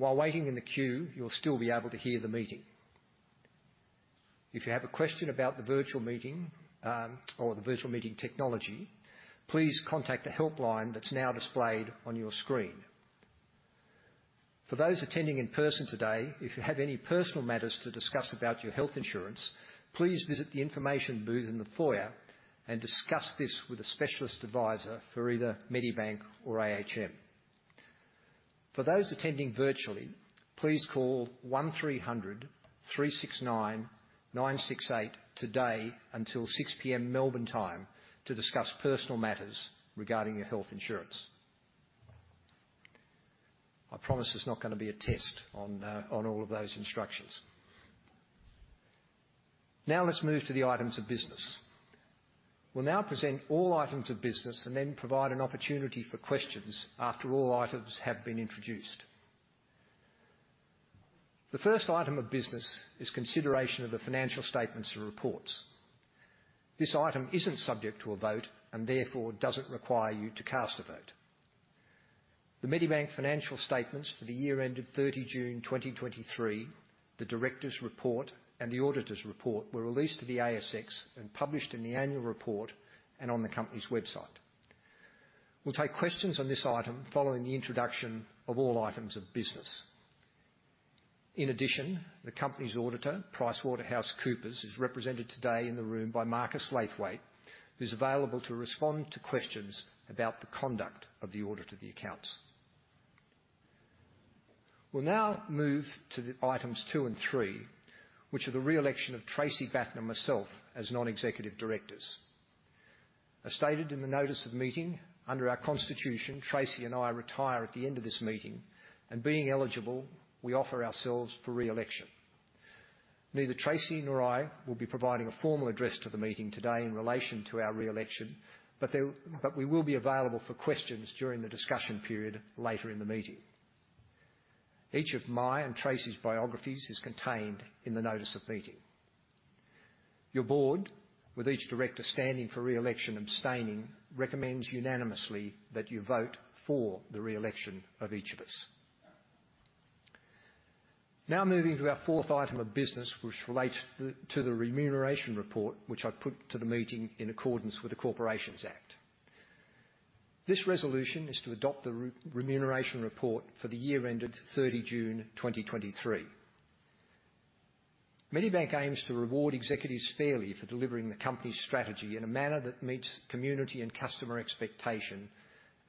While waiting in the queue, you'll still be able to hear the meeting. If you have a question about the virtual meeting, or the virtual meeting technology, please contact the helpline that's now displayed on your screen. For those attending in person today, if you have any personal matters to discuss about your health insurance, please visit the information booth in the foyer and discuss this with a specialist advisor for either Medibank or AHM. For those attending virtually, please call 1300 369 968 today until 6 P.M. Melbourne time, to discuss personal matters regarding your health insurance. I promise it's not going to be a test on all of those instructions. Now, let's move to the items of business. We'll now present all items of business and then provide an opportunity for questions after all items have been introduced. The first item of business is consideration of the financial statements and reports. This item isn't subject to a vote and therefore doesn't require you to cast a vote. The Medibank financial statements for the year ended 30 June 2023, the directors' report, and the auditors' report were released to the ASX and published in the annual report and on the company's website. We'll take questions on this item following the introduction of all items of business. In addition, the company's auditor, PricewaterhouseCoopers, is represented today in the room by Marcus Laithwaite, who's available to respond to questions about the conduct of the audit of the accounts. We'll now move to items 2 and 3, which are the re-election of Tracey Batten and myself as non-executive directors. As stated in the notice of meeting, under our constitution, Tracey and I retire at the end of this meeting, and being eligible, we offer ourselves for re-election. Neither Tracey nor I will be providing a formal address to the meeting today in relation to our re-election, but we will be available for questions during the discussion period later in the meeting. Each of my and Tracey's biographies is contained in the notice of meeting. Your board, with each director standing for re-election abstaining, recommends unanimously that you vote for the re-election of each of us. Now, moving to our fourth item of business, which relates to the remuneration report, which I put to the meeting in accordance with the Corporations Act. This resolution is to adopt the remuneration report for the year ended 30 June 2023. Medibank aims to reward executives fairly for delivering the company's strategy in a manner that meets community and customer expectation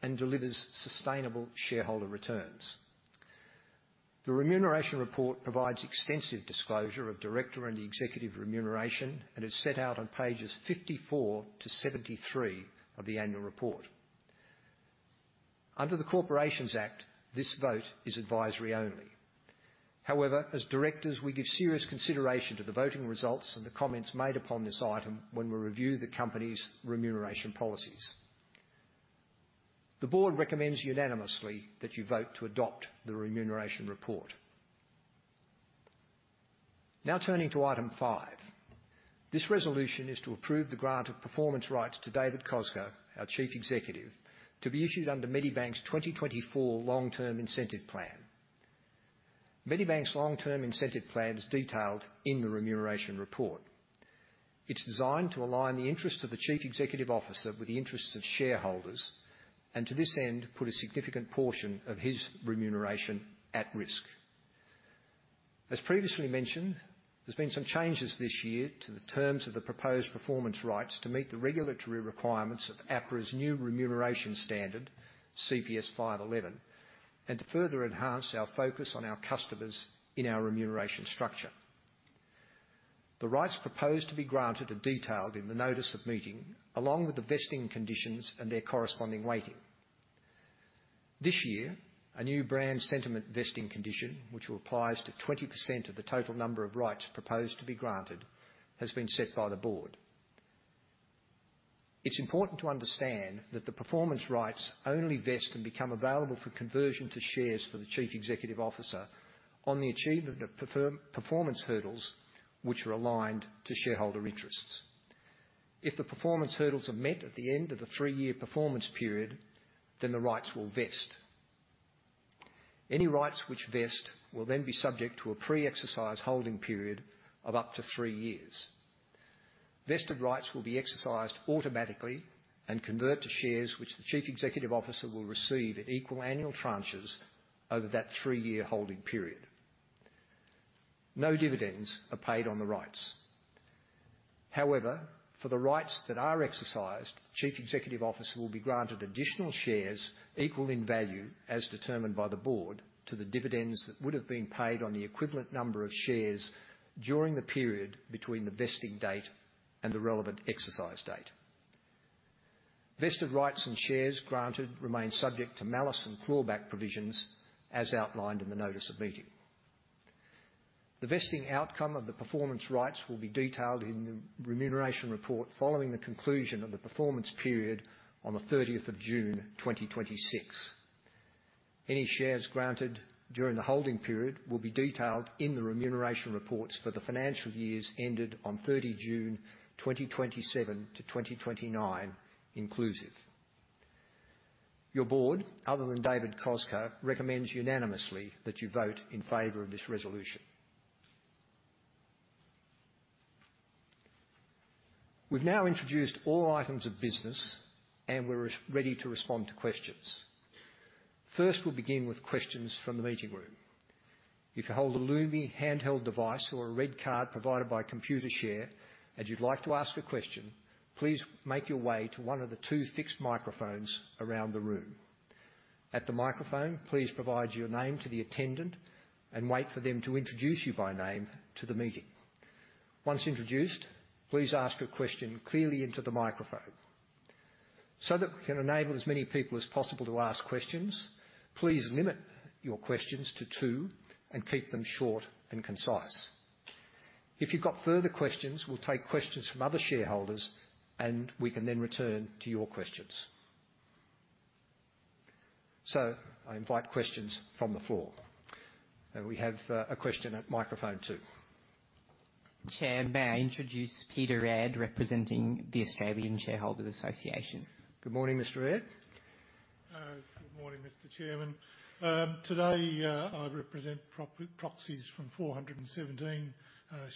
and delivers sustainable shareholder returns. The remuneration report provides extensive disclosure of director and executive remuneration and is set out on pages 54 to 73 of the annual report. Under the Corporations Act, this vote is advisory only. However, as directors, we give serious consideration to the voting results and the comments made upon this item when we review the company's remuneration policies. The board recommends unanimously that you vote to adopt the remuneration report. Now, turning to item 5. This resolution is to approve the grant of performance rights to David Koczkar, our Chief Executive, to be issued under Medibank's 2024 Long Term Incentive Plan. Medibank's Long Term Incentive Plan is detailed in the remuneration report. It's designed to align the interests of the Chief Executive Officer with the interests of shareholders, and to this end, put a significant portion of his remuneration at risk. As previously mentioned, there's been some changes this year to the terms of the proposed performance rights to meet the regulatory requirements of APRA's new remuneration standard, CPS 511, and to further enhance our focus on our customers in our remuneration structure. The rights proposed to be granted are detailed in the notice of meeting, along with the vesting conditions and their corresponding weighting. This year, a new brand sentiment vesting condition, which applies to 20% of the total number of rights proposed to be granted, has been set by the board. It's important to understand that the performance rights only vest and become available for conversion to shares for the Chief Executive Officer on the achievement of performance hurdles, which are aligned to shareholder interests. If the performance hurdles are met at the end of the 3-year performance period, then the rights will vest. Any rights which vest will then be subject to a pre-exercise holding period of up to 3 years. Vested rights will be exercised automatically and convert to shares, which the Chief Executive Officer will receive in equal annual tranches over that 3-year holding period. No dividends are paid on the rights. However, for the rights that are exercised, the Chief Executive Officer will be granted additional shares, equal in value, as determined by the Board, to the dividends that would have been paid on the equivalent number of shares during the period between the vesting date and the relevant exercise date. Vested rights and shares granted remain subject to malus and clawback provisions, as outlined in the Notice of Meeting. The vesting outcome of the performance rights will be detailed in the Remuneration Report following the conclusion of the performance period on 30 June 2026. Any shares granted during the holding period will be detailed in the Remuneration Reports for the financial years ended on 30 June 2027-2029, inclusive. Your Board, other than David Cosgrove, recommends unanimously that you vote in favor of this resolution. We've now introduced all items of business, and we're ready to respond to questions. First, we'll begin with questions from the meeting room. If you hold a Lumi handheld device or a red card provided by Computershare, and you'd like to ask a question, please make your way to one of the two fixed microphones around the room. At the microphone, please provide your name to the attendant and wait for them to introduce you by name to the meeting. Once introduced, please ask your question clearly into the microphone. So that we can enable as many people as possible to ask questions, please limit your questions to two, and keep them short and concise. If you've got further questions, we'll take questions from other shareholders, and we can then return to your questions. So I invite questions from the floor. We have a question at microphone two.
Chair, may I introduce Peter Redd, representing the Australian Shareholders Association?
Good morning, Mr. Redd.
Good morning, Mr. Chairman. Today, I represent proxies from 417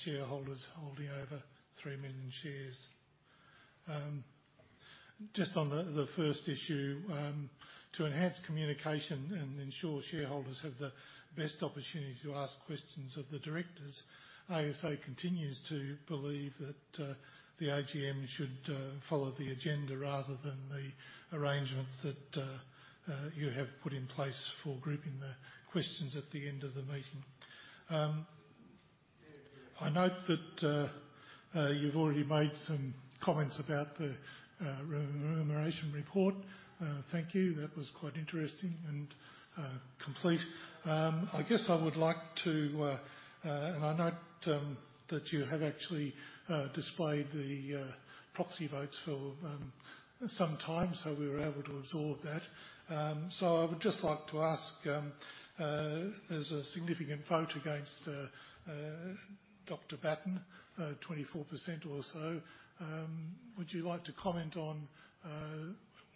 shareholders holding over 3 million shares. Just on the first issue, to enhance communication and ensure shareholders have the best opportunity to ask questions of the directors, ASA continues to believe that the AGM should follow the agenda rather than the arrangements that you have put in place for grouping the questions at the end of the meeting. I note that you've already made some comments about the remuneration report. Thank you. That was quite interesting and complete. I guess I would like to, and I note that you have actually displayed the proxy votes for some time, so we were able to absorb that. So I would just like to ask, there's a significant vote against Dr. Batten, 24% or so. Would you like to comment on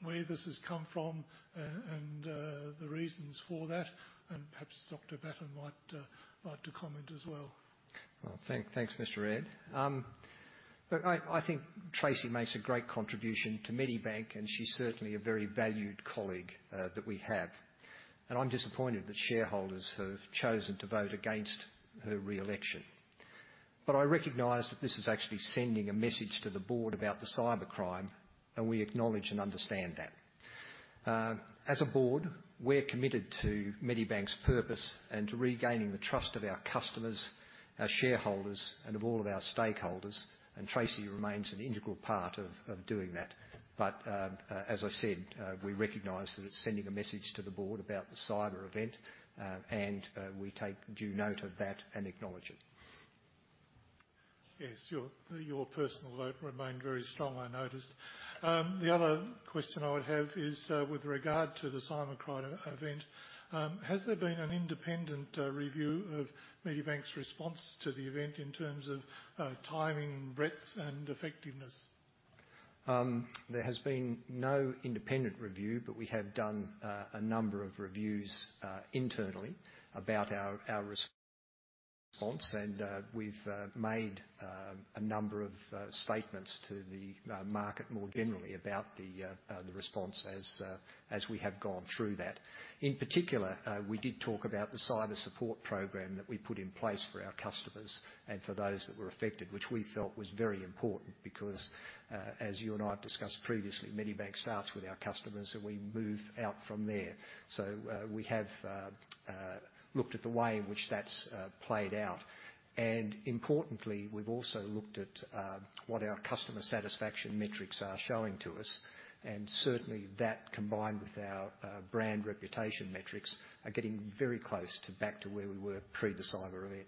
where this has come from and the reasons for that? And perhaps Dr. Batten might like to comment.
Thanks, Mr. Redd. Look, I think Tracey makes a great contribution to Medibank, and she's certainly a very valued colleague that we have. And I'm disappointed that shareholders have chosen to vote against her re-election. But I recognize that this is actually sending a message to the board about the cybercrime, and we acknowledge and understand that. As a board, we're committed to Medibank's purpose and to regaining the trust of our customers, our shareholders, and of all of our stakeholders, and Tracy remains an integral part of doing that. But, as I said, we recognize that it's sending a message to the board about the cyber event, and we take due note of that and acknowledge it.
Yes, your personal vote remained very strong, I noticed. The other question I would have is, with regard to the cybercrime event. Has there been an independent review of Medibank's response to the event in terms of timing, breadth, and effectiveness?
There has been no independent review, but we have done a number of reviews internally about our response, and we've made a number of statements to the market more generally about the response as we have gone through that. In particular, we did talk about the cyber support program that we put in place for our customers and for those that were affected, which we felt was very important because, as you and I have discussed previously, Medibank starts with our customers, and we move out from there. So, we have looked at the way in which that's played out. Importantly, we've also looked at what our customer satisfaction metrics are showing to us, and certainly that, combined with our brand reputation metrics, are getting very close to back to where we were pre the cyber event.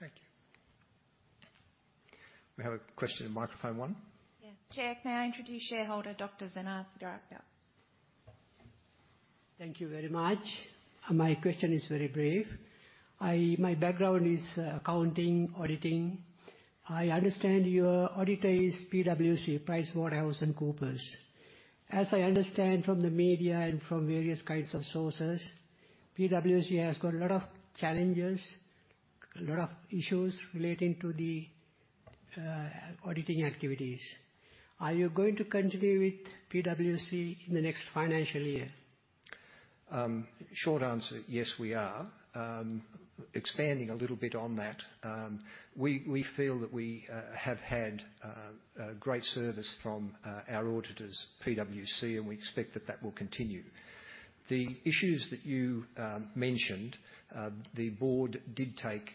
Thank you.
We have a question in microphone one.
Chair, may I introduce shareholder Dr. Zina Sidarapia?
Thank you very much. My question is very brief. My background is accounting, auditing. I understand your auditor is PwC, PricewaterhouseCoopers. As I understand from the media and from various kinds of sources, PwC has got a lot of challenges, a lot of issues relating to the auditing activities. Are you going to continue with PwC in the next financial year?
Short answer, yes, we are. Expanding a little bit on that, we feel that we have had a great service from our auditors, PwC, and we expect that that will continue. The issues that you mentioned, the board did take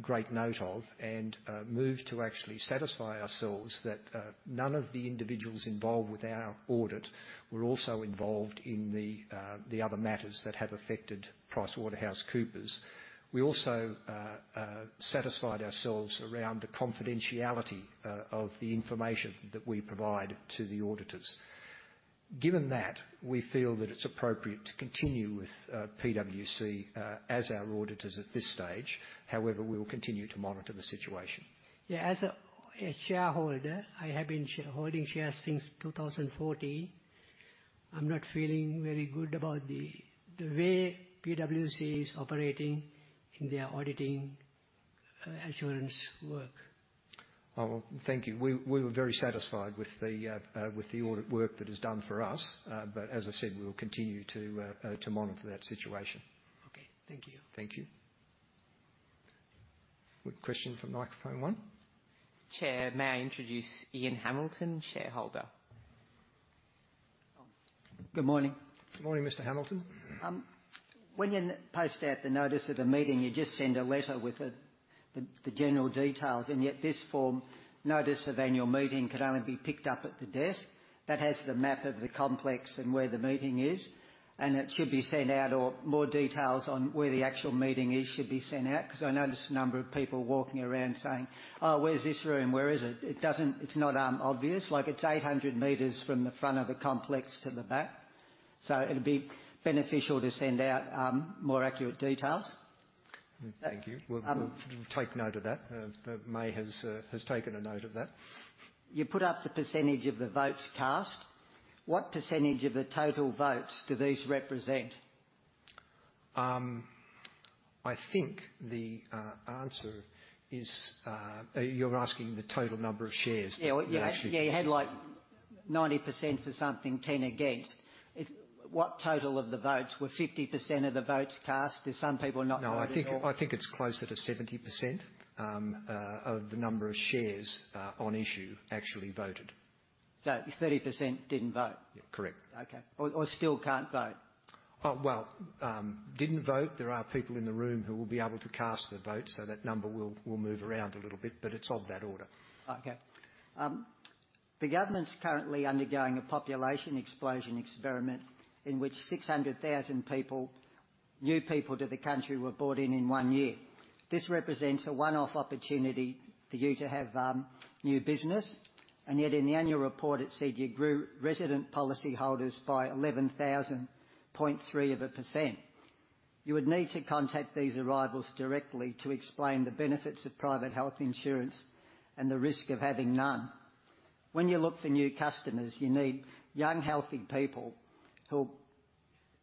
great note of and moved to actually satisfy ourselves that none of the individuals involved with our audit were also involved in the other matters that have affected PricewaterhouseCoopers. We also satisfied ourselves around the confidentiality of the information that we provide to the auditors. Given that, we feel that it's appropriate to continue with PwC as our auditors at this stage. However, we will continue to monitor the situation.
As a shareholder, I have been shareholding shares since 2014. I'm not feeling very good about the way PwC is operating in their auditing assurance work.
Thank you. We were very satisfied with the audit work that is done for us. But as I said, we will continue to monitor that situation.
Okay. Thank you.
Thank you. We have a question from microphone one.
Chair, may I introduce Ian Hamilton, shareholder?
Good morning.
Good morning, Mr. Hamilton.
When you post out the notice of the meeting, you just send a letter with the general details, and yet this form, notice of annual meeting, could only be picked up at the desk. That has the map of the complex and where the meeting is, and it should be sent out or more details on where the actual meeting is should be sent out. 'Cause I noticed a number of people walking around saying, "Where's this room? Where is it?" It doesn't. It's not obvious, like it's 800 meters from the front of the complex to the back. So it'd be beneficial to send out more accurate details.
Thank you.
Um-
We'll take note of that. May has taken a note of that.
You put up the percentage of the votes cast. What percentage of the total votes do these represent?
I think the answer is, you're asking the total number of shares that actually-
You had, like, 90% for something, 10 against. It's What total of the votes? Were 50% of the votes cast if some people are not voting at all?
No, I think it's closer to 70% of the number of shares on issue actually voted.
30% didn't vote?
Correct.
Okay. Or, still can't vote?
Didn't vote, there are people in the room who will be able to cast their vote, so that number will move around a little bit, but it's of that order.
Okay. The government's currently undergoing a population explosion experiment in which 600,000 people, new people to the country, were brought in in one year. This represents a one-off opportunity for you to have new business, and yet in the annual report, it said you grew resident policyholders by 11,000.3%. You would need to contact these arrivals directly to explain the benefits of private health insurance and the risk of having none. When you look for new customers, you need young, healthy people who'll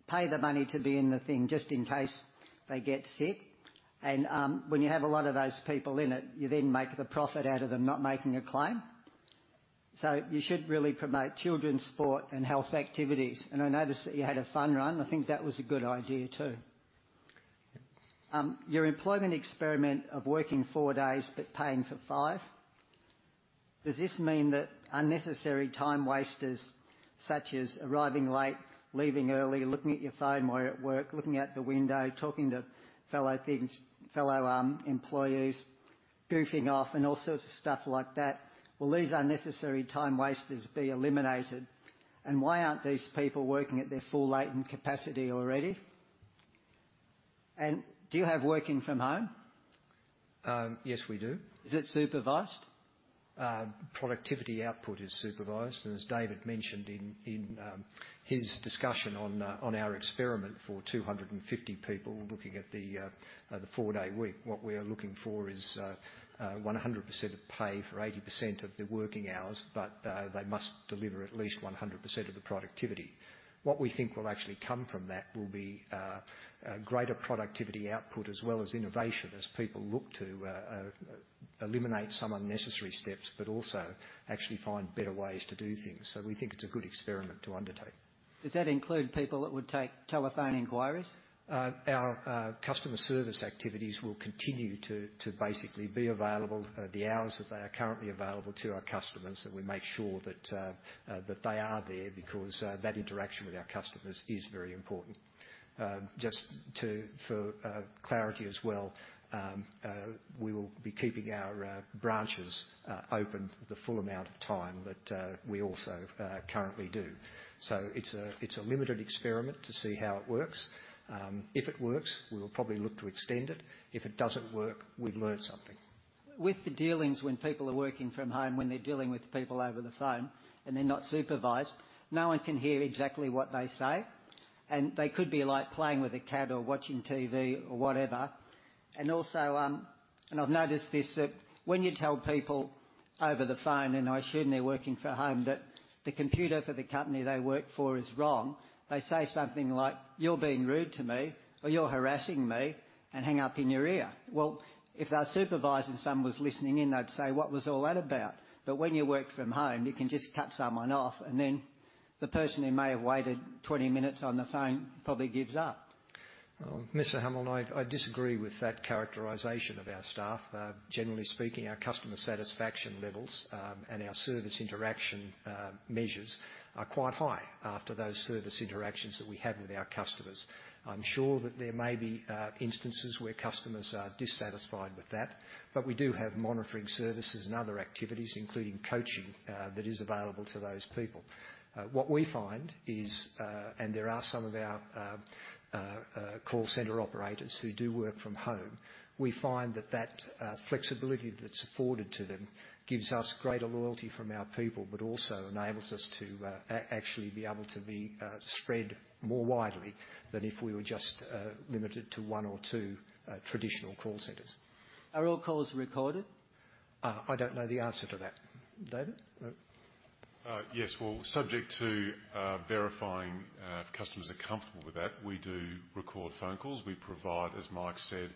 pay the money to be in the thing just in case they get sick. And, when you have a lot of those people in it, you then make a profit out of them not making a claim. So you should really promote children's sport and health activities. And I noticed that you had a fun run, and I think that was a good idea, too. Your employment experiment of working four days but paying for five, does this mean that unnecessary time wasters, such as arriving late, leaving early, looking at your phone while you're at work, looking out the window, talking to fellow peers, fellow employees, goofing off, and all sorts of stuff like that, will these unnecessary time wasters be eliminated? And why aren't these people working at their full latent capacity already? And do you have working from home?
Yes, we do.
Is it supervised?
Productivity output is supervised, and as David mentioned in his discussion on our experiment for 250 people looking at the four-day week, what we are looking for is 100% of pay for 80% of the working hours, but they must deliver at least 100% of the productivity. What we think will actually come from that will be a greater productivity output. as innovation, as people look to eliminate some unnecessary steps, but also actually find better ways to do things. So we think it's a good experiment to undertake.
Does that include people that would take telephone inquiries?
Our customer service activities will continue to basically be available the hours that they are currently available to our customers, and we make sure that they are there because that interaction with our customers is very important. Just for clarity, we will be keeping our branches open for the full amount of time that we also currently do. So it's a limited experiment to see how it works. If it works, we will probably look to extend it. If it doesn't work, we've learned something.
With the dealings when people are working from home, when they're dealing with people over the phone and they're not supervised, no one can hear exactly what they say, and they could be, like, playing with a cat or watching TV or whatever. And also, and I've noticed this, that when you tell people over the phone, and I assume they're working from home, that the computer for the company they work for is wrong, they say something like: "You're being rude to me," or, "You're harassing me," and hang up in your ear. If they were supervised and someone was listening in, they'd say, "What was all that about?" But when you work from home, you can just cut someone off, and then the person who may have waited 20 minutes on the phone probably gives up.
Mr. Hamill, I disagree with that characterization of our staff. Generally speaking, our customer satisfaction levels and our service interaction measures are quite high after those service interactions that we have with our customers. I'm sure that there may be instances where customers are dissatisfied with that, but we do have monitoring services and other activities, including coaching that is available to those people. What we find is, and there are some of our call center operators who do work from home. We find that flexibility that's afforded to them gives us greater loyalty from our people, but also enables us to actually be able to be spread more widely than if we were just limited to one or two traditional call centers.
Are all calls recorded?
I don't know the answer to that. David?
Yes. Subject to verifying if customers are comfortable with that, we do record phone calls. We provide, as Mike said,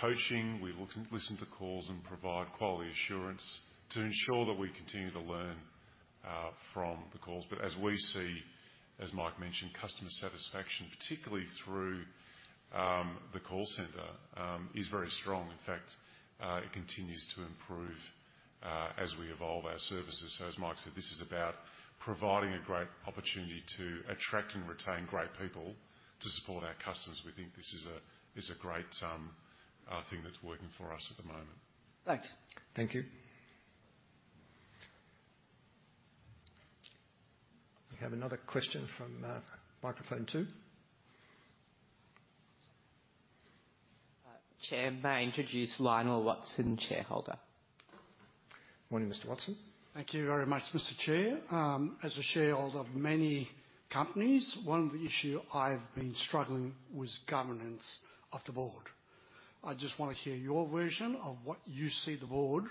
coaching. We look and listen to calls and provide quality assurance to ensure that we continue to learn from the calls. But as we see, as Mike mentioned, customer satisfaction, particularly through the call center, is very strong. In fact, it continues to improve as we evolve our services. So as Mike said, this is about providing a great opportunity to attract and retain great people to support our customers. We think this is a, this a great thing that's working for us at the moment.
Thanks.
Thank you. We have another question from microphone two.
Chair, may I introduce Lionel Watson, shareholder.
Morning, Mr. Watson.
Thank you very much, Mr. Chair. As a shareholder of many companies, one of the issue I've been struggling with is governance of the board. I just want to hear your version of what you see the board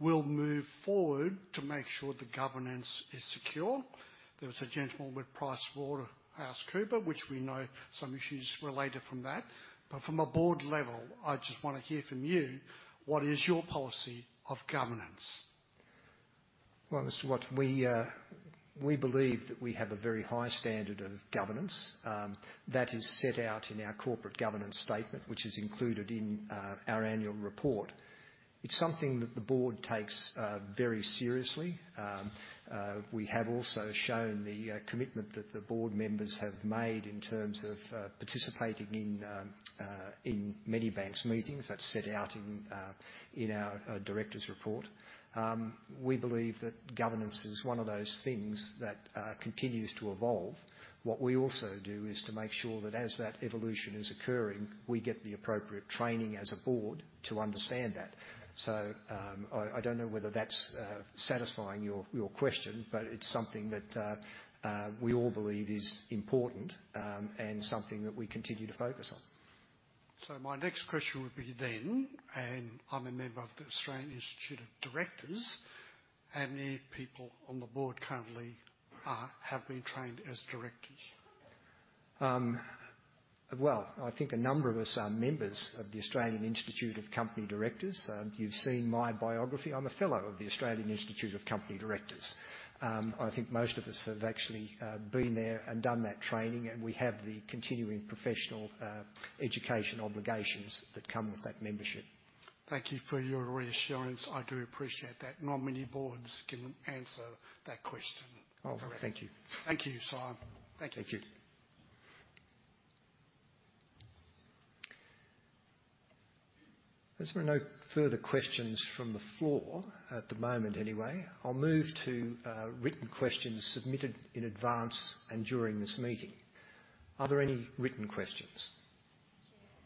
will move forward to make sure the governance is secure. There was a gentleman with PricewaterhouseCoopers, which we know some issues related from that. But from a board level, I just want to hear from you, what is your policy of governance?
Mr. Watson, we, we believe that we have a very high standard of governance, that is set out in our corporate governance statement, which is included in, our annual report. It's something that the board takes, very seriously. We have also shown the, commitment that the board members have made in terms of, participating in, in Medibank's meetings. That's set out in, in our, director's report. We believe that governance is one of those things that, continues to evolve. What we also do is to make sure that as that evolution is occurring, we get the appropriate training as a board to understand that. So, I don't know whether that's satisfying your question, but it's something that we all believe is important, and something that we continue to focus on.
My next question would be then, and I'm a member of the Australian Institute of Directors, how many people on the board currently are, have been trained as directors?
I think a number of us are members of the Australian Institute of Company Directors. You've seen my biography. I'm a fellow of the Australian Institute of Company Directors. I think most of us have actually been there and done that training, and we have the continuing professional education obligations that come with that membership.
Thank you for your reassurance. I do appreciate that. Not many boards can answer that question.
Thank you.
Thank you, Simon. Thank you.
Thank you. As there are no further questions from the floor, at the moment anyway, I'll move to written questions submitted in advance and during this meeting. Are there any written questions?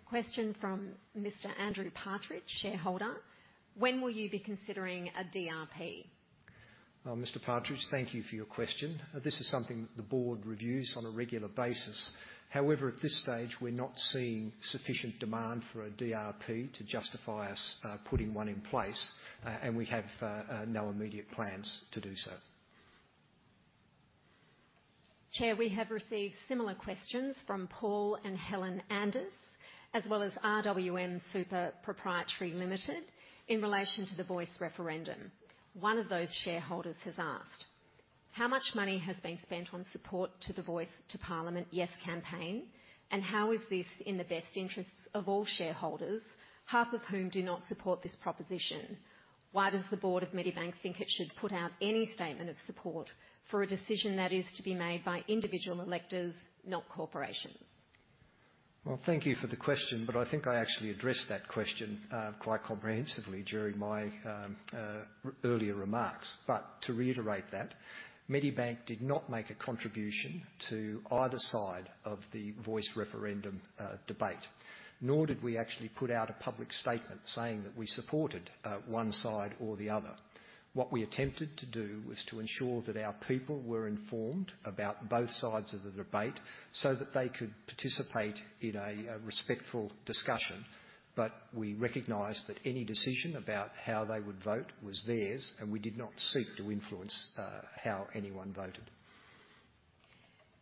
Question from Mr. Andrew Partridge, shareholder: When will you be considering a DRP?
Mr. Partridge, thank you for your question. This is something that the board reviews on a regular basis. However, at this stage, we're not seeing sufficient demand for a DRP to justify us, putting one in place, and we have, no immediate plans to do so.
Chair, we have received similar questions from Paul and Helen Anders, as RWM Super Proprietary Limited, in relation to the Voice Referendum. One of those shareholders has asked: How much money has been spent on support to the Voice to Parliament Yes campaign, and how is this in the best interests of all shareholders, half of whom do not support this proposition? Why does the board of Medibank think it should put out any statement of support for a decision that is to be made by individual electors, not corporations?
Thank you for the question, but I think I actually addressed that question quite comprehensively during my earlier remarks. But to reiterate that, Medibank did not make a contribution to either side of the Voice Referendum debate, nor did we actually put out a public statement saying that we supported one side or the other. What we attempted to do was to ensure that our people were informed about both sides of the debate so that they could participate in a respectful discussion. But we recognized that any decision about how they would vote was theirs, and we did not seek to influence how anyone voted.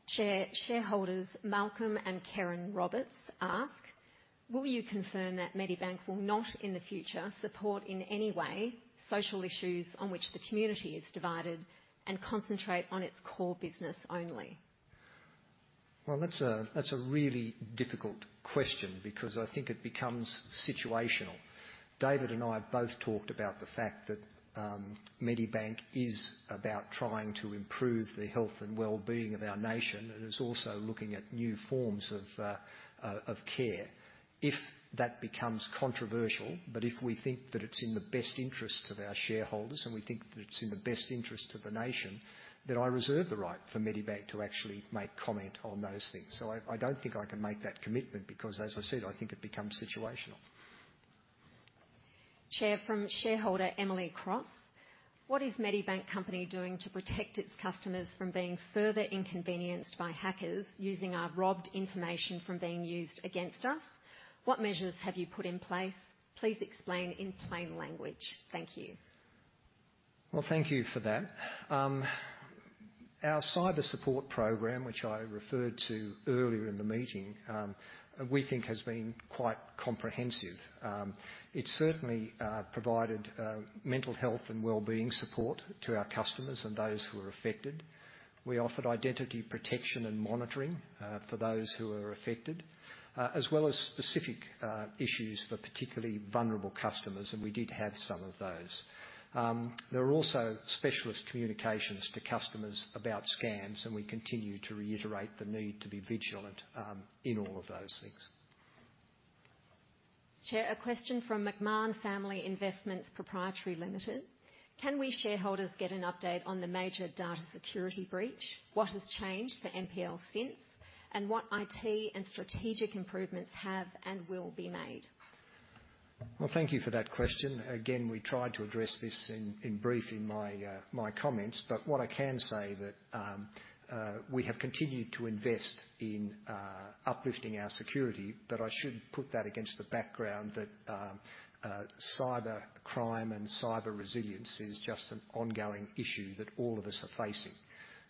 Chair, shareholders Malcolm and Karen Roberts ask: Will you confirm that Medibank will not, in the future, support in any way social issues on which the community is divided and concentrate on its core business only?
That's a, that's a really difficult question because I think it becomes situational. David and I have both talked about the fact that, Medibank is about trying to improve the health and well-being of our nation, and it's also looking at new forms of, of care. If that becomes controversial, but if we think that it's in the best interest of our shareholders, and we think that it's in the best interest of the nation, then I reserve the right for Medibank to actually make comment on those things. So I, I don't think I can make that commitment, because, as I said, I think it becomes situational.
Chair, from shareholder Emily Cross: What is Medibank company doing to protect its customers from being further inconvenienced by hackers using our robbed information from being used against us? What measures have you put in place? Please explain in plain language. Thank you.
Thank you for that. Our cyber support program, which I referred to earlier in the meeting, we think has been quite comprehensive. It certainly provided mental health and well-being support to our customers and those who were affected. We offered identity protection and monitoring for those who were affected, as specific issues for particularly vulnerable customers, and we did have some of those. There were also specialist communications to customers about scams, and we continue to reiterate the need to be vigilant in all of those things.
Chair, a question from McMahon Family Investments Proprietary Limited. Can we shareholders get an update on the major data security breach? What has changed for NPL since, and what IT and strategic improvements have and will be made?
Thank you for that question. Again, we tried to address this in brief in my comments, but what I can say that we have continued to invest in uplifting our security. But I should put that against the background that cybercrime and cyber resilience is just an ongoing issue that all of us are facing.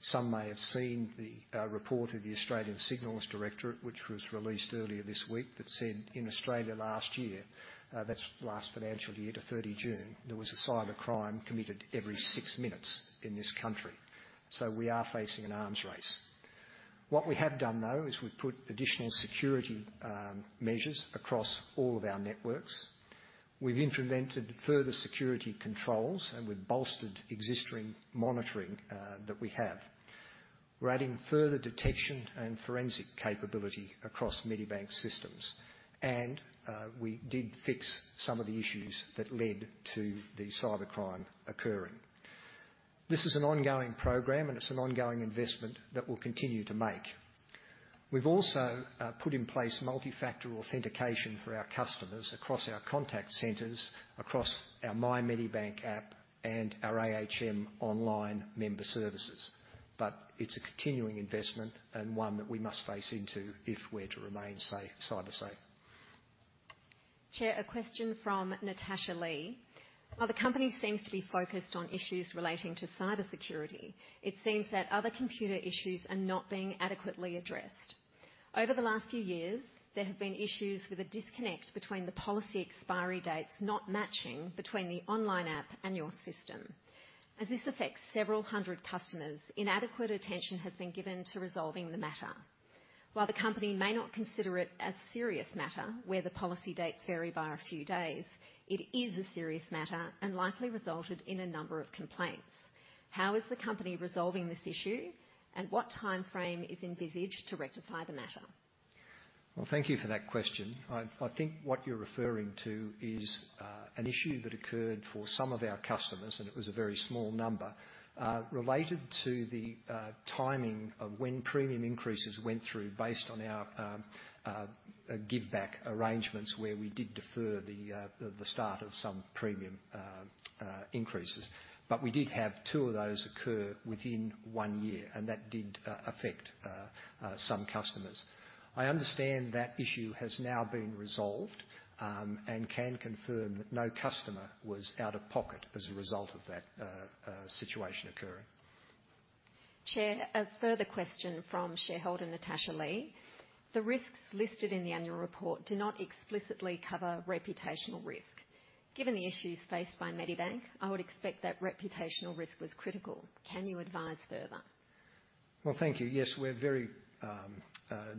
Some may have seen the report of the Australian Signals Directorate, which was released earlier this week, that said, in Australia last year, that's last financial year to 30 June, there was a cybercrime committed every six minutes in this country. So we are facing an arms race. What we have done, though, is we've put additional security measures across all of our networks. We've implemented further security controls, and we've bolstered existing monitoring that we have. We're adding further detection and forensic capability across Medibank systems, and we did fix some of the issues that led to the cybercrime occurring. This is an ongoing program, and it's an ongoing investment that we'll continue to make. We've also put in place multi-factor authentication for our customers across our contact centers, across our My Medibank app, and our AHM Online member services. But it's a continuing investment and one that we must face into if we're to remain safe, cyber safe.
Chair, a question from Natasha Lee. While the company seems to be focused on issues relating to cybersecurity, it seems that other computer issues are not being adequately addressed. Over the last few years, there have been issues with a disconnect between the policy expiry dates not matching between the online app and your system. As this affects several hundred customers, inadequate attention has been given to resolving the matter. While the company may not consider it a serious matter, where the policy dates vary by a few days, it is a serious matter and likely resulted in a number of complaints. How is the company resolving this issue, and what timeframe is envisaged to rectify the matter?
Thank you for that question. I think what you're referring to is an issue that occurred for some of our customers, and it was a very small number related to the timing of when premium increases went through based on our give back arrangements, where we did defer the start of some premium increases. But we did have two of those occur within one year, and that did affect some customers. I understand that issue has now been resolved, and can confirm that no customer was out of pocket as a result of that situation occurring.
Chair, a further question from shareholder Natasha Lee: The risks listed in the annual report do not explicitly cover reputational risk. Given the issues faced by Medibank, I would expect that reputational risk was critical. Can you advise further?
Thank you. Yes, we're very,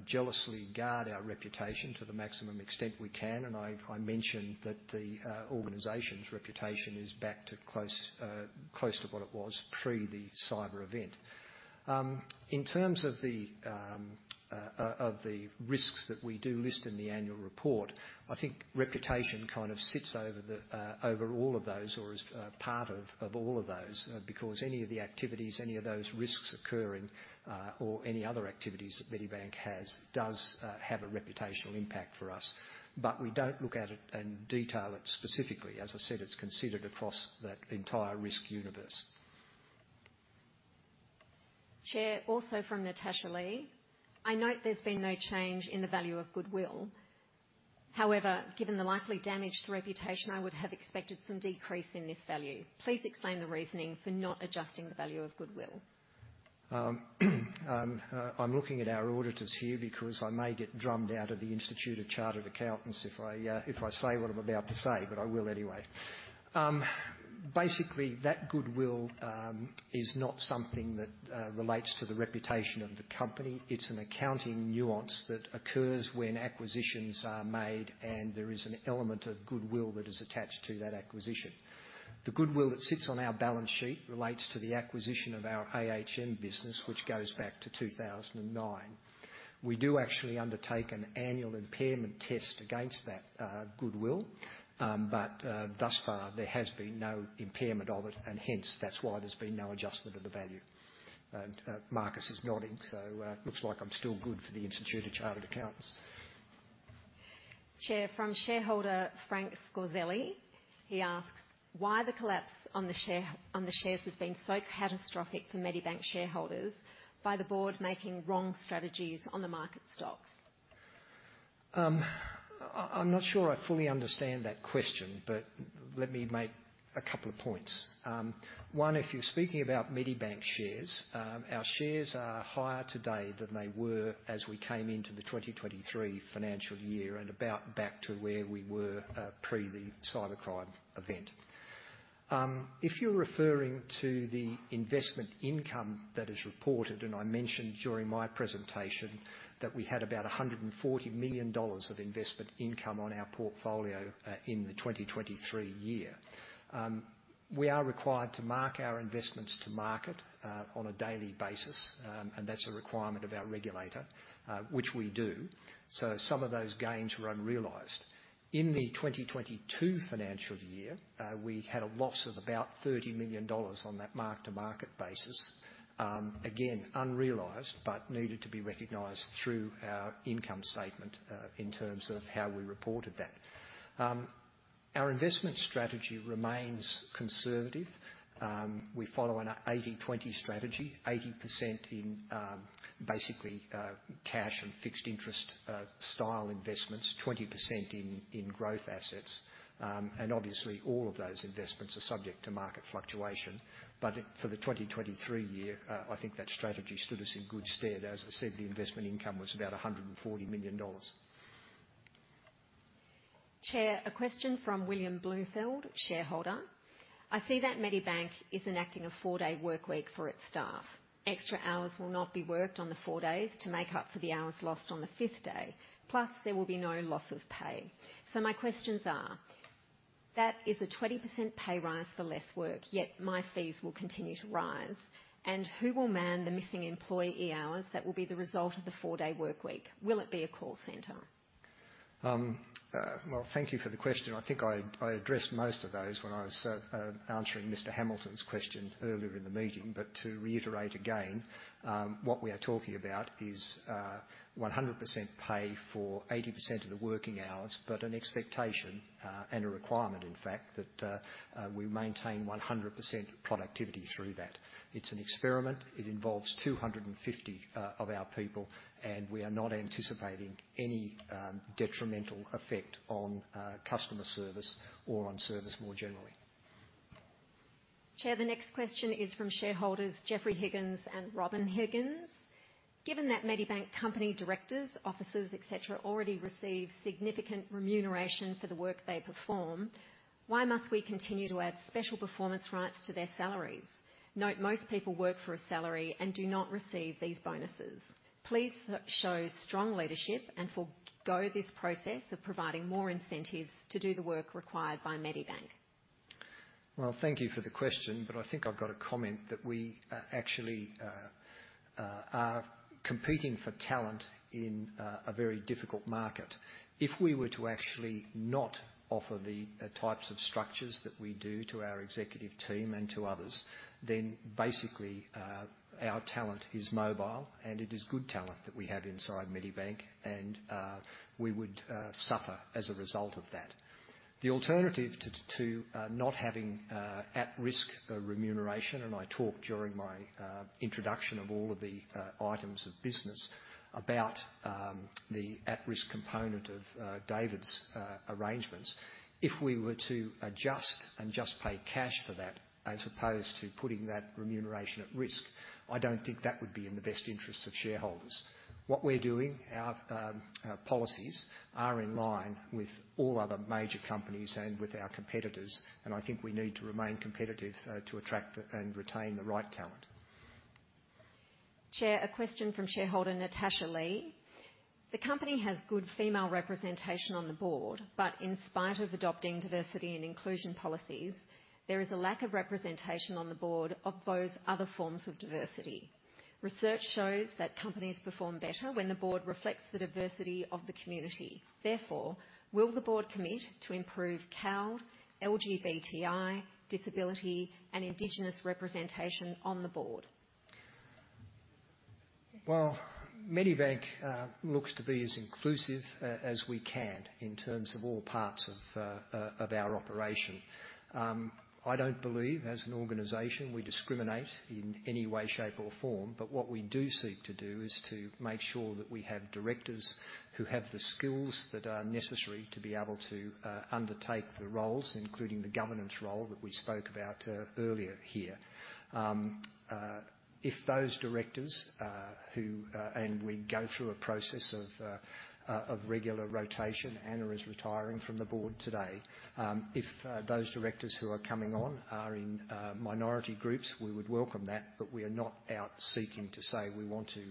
jealously guard our reputation to the maximum extent we can, and I've, I mentioned that the, organization's reputation is back to close, close to what it was pre the cyber event. In terms of the, of the risks that we do list in the annual report, I think reputation sits over the, over all of those, or as, part of, of all of those. Because any of the activities, any of those risks occurring, or any other activities that Medibank has, does, have a reputational impact for us. But we don't look at it and detail it specifically. As I said, it's considered across that entire risk universe.
Chair, also from Natasha Lee: I note there's been no change in the value of goodwill. However, given the likely damage to reputation, I would have expected some decrease in this value. Please explain the reasoning for not adjusting the value of goodwill.
I'm looking at our auditors here because I may get drummed out of the Institute of Chartered Accountants if I say what I'm about to say, but I will anyway. Basically, that goodwill is not something that relates to the reputation of the company. It's an accounting nuance that occurs when acquisitions are made, and there is an element of goodwill that is attached to that acquisition. The goodwill that sits on our balance sheet relates to the acquisition of our AHM business, which goes back to 2009. We do actually undertake an annual impairment test against that goodwill, but thus far, there has been no impairment of it, and hence, that's why there's been no adjustment of the value. Marcus is nodding, so, looks like I'm still good for the Institute of Chartered Accountants.
Chair, from shareholder Frank Scorzelli. He asks: Why the collapse on the share, on the shares has been so catastrophic for Medibank shareholders by the board making wrong strategies on the market stocks?
I'm not sure I fully understand that question, but let me make a couple of points. One, if you're speaking about Medibank shares, our shares are higher today than they were as we came into the 2023 financial year, and about back to where we were pre the cybercrime event. If you're referring to the investment income that is reported, and I mentioned during my presentation that we had about 140 million dollars of investment income on our portfolio in the 2023 year. We are required to mark our investments to market on a daily basis, and that's a requirement of our regulator, which we do. So some of those gains were unrealized. In the 2022 financial year, we had a loss of about 30 million dollars on that mark-to-market basis. Again, unrealized, but needed to be recognized through our income statement, in terms of how we reported that. Our investment strategy remains conservative. We follow an 80-20 strategy, 80% in, basically, cash and fixed interest, style investments, 20% in, in growth assets. And obviously, all of those investments are subject to market fluctuation. But it—for the 2023 year, I think that strategy stood us in good stead. As I said, the investment income was about 140 million dollars.
Chair, a question from William Bloomfield, shareholder: I see that Medibank is enacting a four-day workweek for its staff. Extra hours will not be worked on the four days to make up for the hours lost on the fifth day, plus there will be no loss of pay. So my questions are, that is a 20% pay rise for less work, yet my fees will continue to rise, and who will man the missing employee hours that will be the result of the four-day workweek? Will it be a call center?
Thank you for the question. I think I addressed most of those when I was answering Mr. Hamilton's question earlier in the meeting. But to reiterate again, what we are talking about is 100% pay for 80% of the working hours, but an expectation and a requirement, in fact, that we maintain 100% productivity through that. It's an experiment. It involves 250 of our people, and we are not anticipating any detrimental effect on customer service or on service more generally.
Chair, the next question is from shareholders Jeffrey Higgins and Robin Higgins. Given that Medibank company directors, officers, et cetera, already receive significant remuneration for the work they perform, why must we continue to add special performance rights to their salaries? Note, most people work for a salary and do not receive these bonuses. Please show strong leadership and forgo this process of providing more incentives to do the work required by Medibank.
Thank you for the question, but I think I've got a comment that we actually are competing for talent in a very difficult market. If we were to actually not offer the types of structures that we do to our executive team and to others, then basically our talent is mobile, and it is good talent that we have inside Medibank, and we would suffer as a result of that. The alternative to not having at-risk remuneration, and I talked during my introduction of all of the items of business about the at-risk component of David's arrangements. If we were to adjust and just pay cash for that, as opposed to putting that remuneration at risk, I don't think that would be in the best interest of shareholders. What we're doing, our policies are in line with all other major companies and with our competitors, and I think we need to remain competitive to attract and retain the right talent.
Chair, a question from shareholder Natasha Lee:... The company has good female representation on the board, but in spite of adopting diversity and inclusion policies, there is a lack of representation on the board of those other forms of diversity. Research shows that companies perform better when the board reflects the diversity of the community. Therefore, will the board commit to improve CAL, LGBTI, disability, and Indigenous representation on the board?
Medibank looks to be as inclusive as we can in terms of all parts of our operation. I don't believe, as an organization, we discriminate in any way, shape, or form, but what we do seek to do is to make sure that we have directors who have the skills that are necessary to be able to undertake the roles, including the governance role that we spoke about earlier here. We go through a process of regular rotation. Anna is retiring from the board today. If those directors who are coming on are in minority groups, we would welcome that, but we are not out seeking to say we want to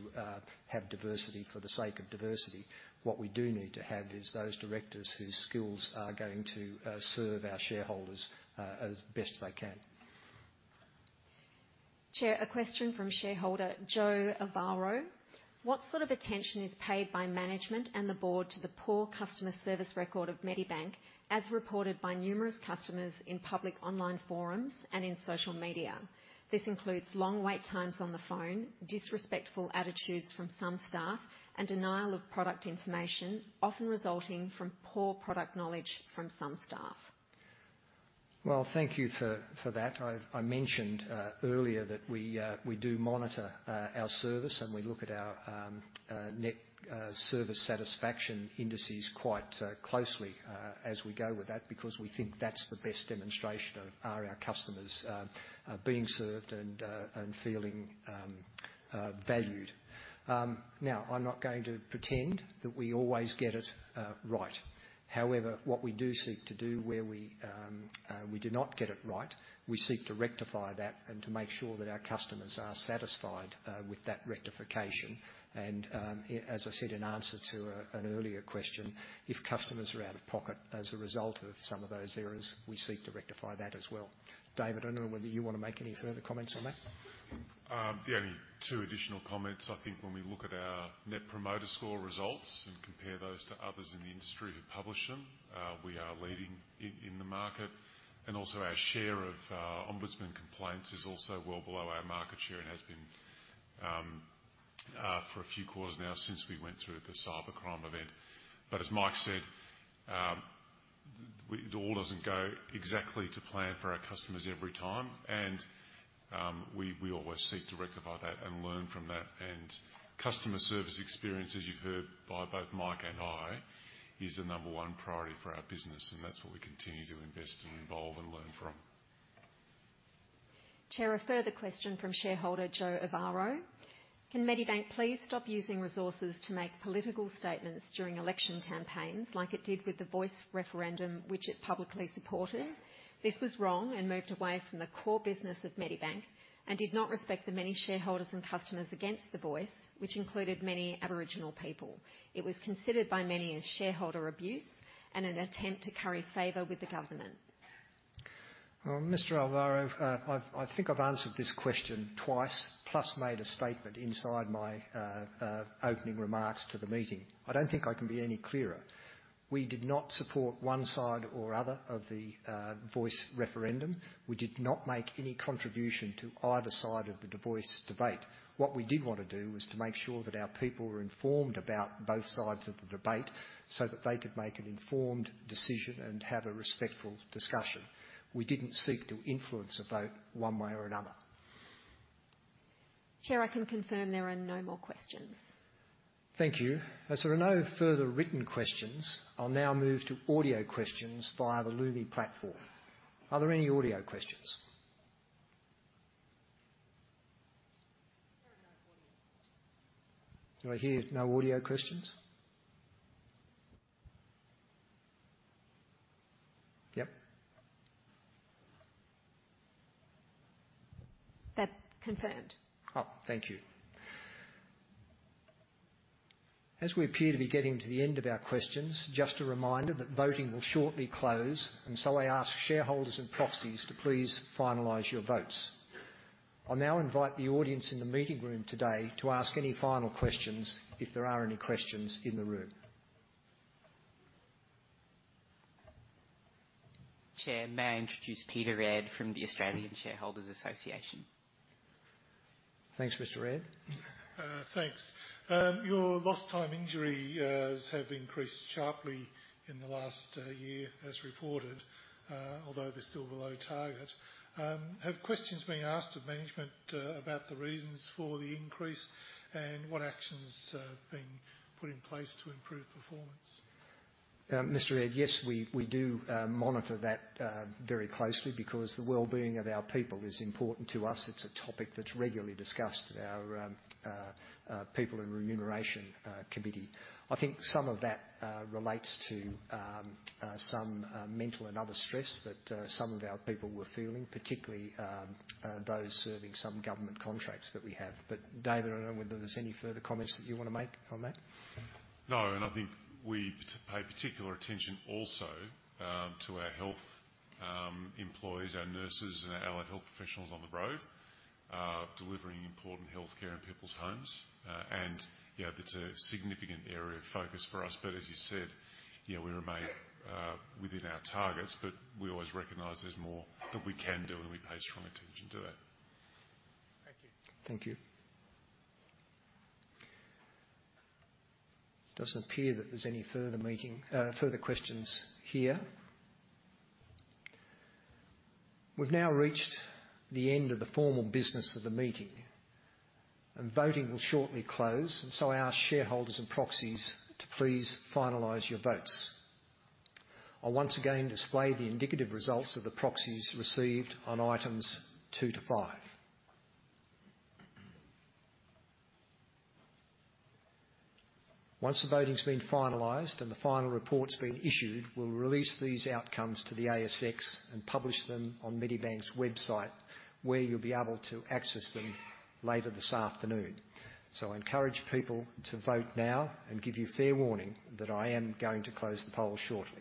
have diversity for the sake of diversity. What we do need to have is those directors whose skills are going to serve our shareholders as best they can.
Chair, a question from shareholder Joe Alvaro: What attention is paid by management and the board to the poor customer service record of Medibank, as reported by numerous customers in public online forums and in social media? This includes long wait times on the phone, disrespectful attitudes from some staff, and denial of product information, often resulting from poor product knowledge from some staff.
Thank you for that. I mentioned earlier that we do monitor our service, and we look at our net service satisfaction indices quite closely as we go with that, because we think that's the best demonstration of our customers being served and feeling valued. Now, I'm not going to pretend that we always get it right. However, what we do seek to do where we do not get it right, we seek to rectify that and to make sure that our customers are satisfied with that rectification. And, as I said, in answer to an earlier question, if customers are out of pocket as a result of some of those errors, we seek to rectify that. David, I don't know whether you want to make any further comments on that?
Only two additional comments. I think when we look at our Net Promoter Score results and compare those to others in the industry who publish them, we are leading in the market, and also our share of Ombudsman complaints is also well below our market share and has been for a few quarters now since we went through the cybercrime event. But as Mike said, it all doesn't go exactly to plan for our customers every time, and we always seek to rectify that and learn from that. Customer service experience, as you've heard by both Mike and I, is the number one priority for our business, and that's what we continue to invest in, evolve and learn from.
Chair, a further question from shareholder Joe Alvaro: Can Medibank please stop using resources to make political statements during election campaigns, like it did with the Voice referendum, which it publicly supported? This was wrong and moved away from the core business of Medibank and did not respect the many shareholders and customers against the Voice, which included many Aboriginal people. It was considered by many as shareholder abuse and an attempt to curry favor with the government.
Mr. Alvaro, I've, I think I've answered this question twice, plus made a statement inside my opening remarks to the meeting. I don't think I can be any clearer. We did not support one side or other of the Voice referendum. We did not make any contribution to either side of the Voice debate. What we did want to do was to make sure that our people were informed about both sides of the debate so that they could make an informed decision and have a respectful discussion. We didn't seek to influence a vote one way or another.
Chair, I can confirm there are no more questions.
Thank you. As there are no further written questions, I'll now move to audio questions via the Lumi platform. Are there any audio questions? There are no audio questions. Do I hear no audio questions? Yep.
That's confirmed.
Thank you. As we appear to be getting to the end of our questions, just a reminder that voting will shortly close, and so I ask shareholders and proxies to please finalize your votes. I'll now invite the audience in the meeting room today to ask any final questions, if there are any questions in the room.
Chair, may I introduce Peter Redd from the Australian Shareholders Association?
Thanks, Mr. Redd.
Thanks. Your lost time injuries have increased sharply in the last year, as reported, although they're still below target. Have questions been asked of management about the reasons for the increase, and what actions have been put in place to improve performance?
Mr. Redd, yes, we do monitor that very closely because the well-being of our people is important to us. It's a topic that's regularly discussed at our People and Remuneration Committee. I think some of that relates to some mental and other stress that some of our people were feeling, particularly those serving some government contracts that we have. But David, I don't know whether there's any further comments that you want to make on that?
No, and I think we pay particular attention also, to our health employees, our nurses, and our allied health professionals on the road, delivering important healthcare in people's homes. And, that's a significant area of focus for us. But as you said, we remain, within our targets, but we always recognize there's more that we can do, and we pay strong attention to that.
Thank you. Thank you. Doesn't appear that there's any further meeting, further questions here. We've now reached the end of the formal business of the meeting, and voting will shortly close, and so I ask shareholders and proxies to please finalize your votes. I'll once again display the indicative results of the proxies received on items two to five. Once the voting's been finalized and the final report's been issued, we'll release these outcomes to the ASX and publish them on Medibank's website, where you'll be able to access them later this afternoon. So I encourage people to vote now and give you fair warning that I am going to close the poll shortly.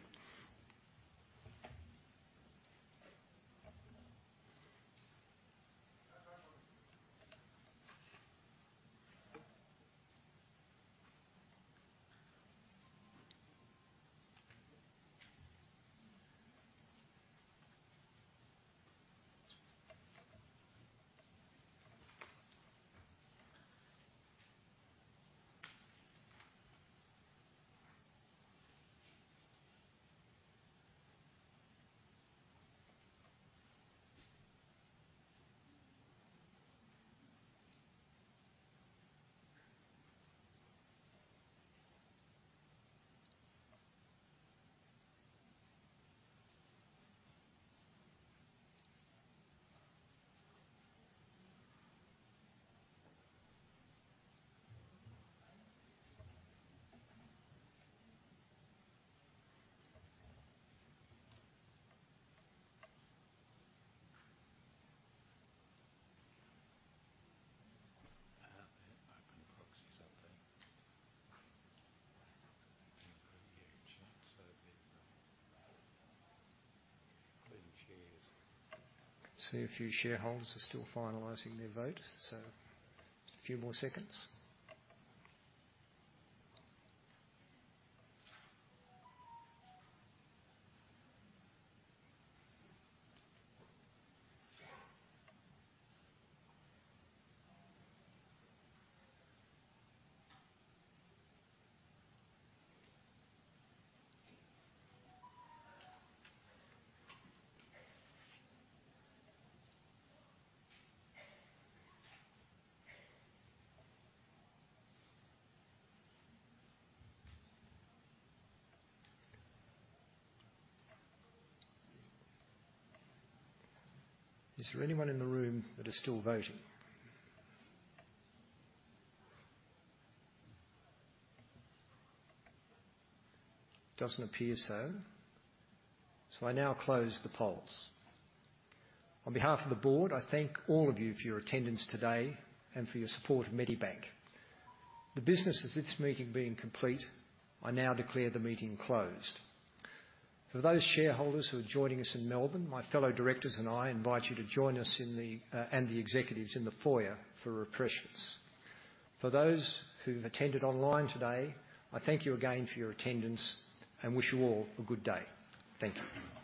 I see a few shareholders are still finalizing their vote, so a few more seconds. Is there anyone in the room that is still voting? Doesn't appear so. So I now close the polls. On behalf of the board, I thank all of you for your attendance today and for your support of Medibank. The business of this meeting being complete, I now declare the meeting closed. For those shareholders who are joining us in Melbourne, my fellow directors and I invite you to join us in the, and the executives in the foyer for refreshments. For those who've attended online today, I thank you again for your attendance and wish you all a good day. Thank you.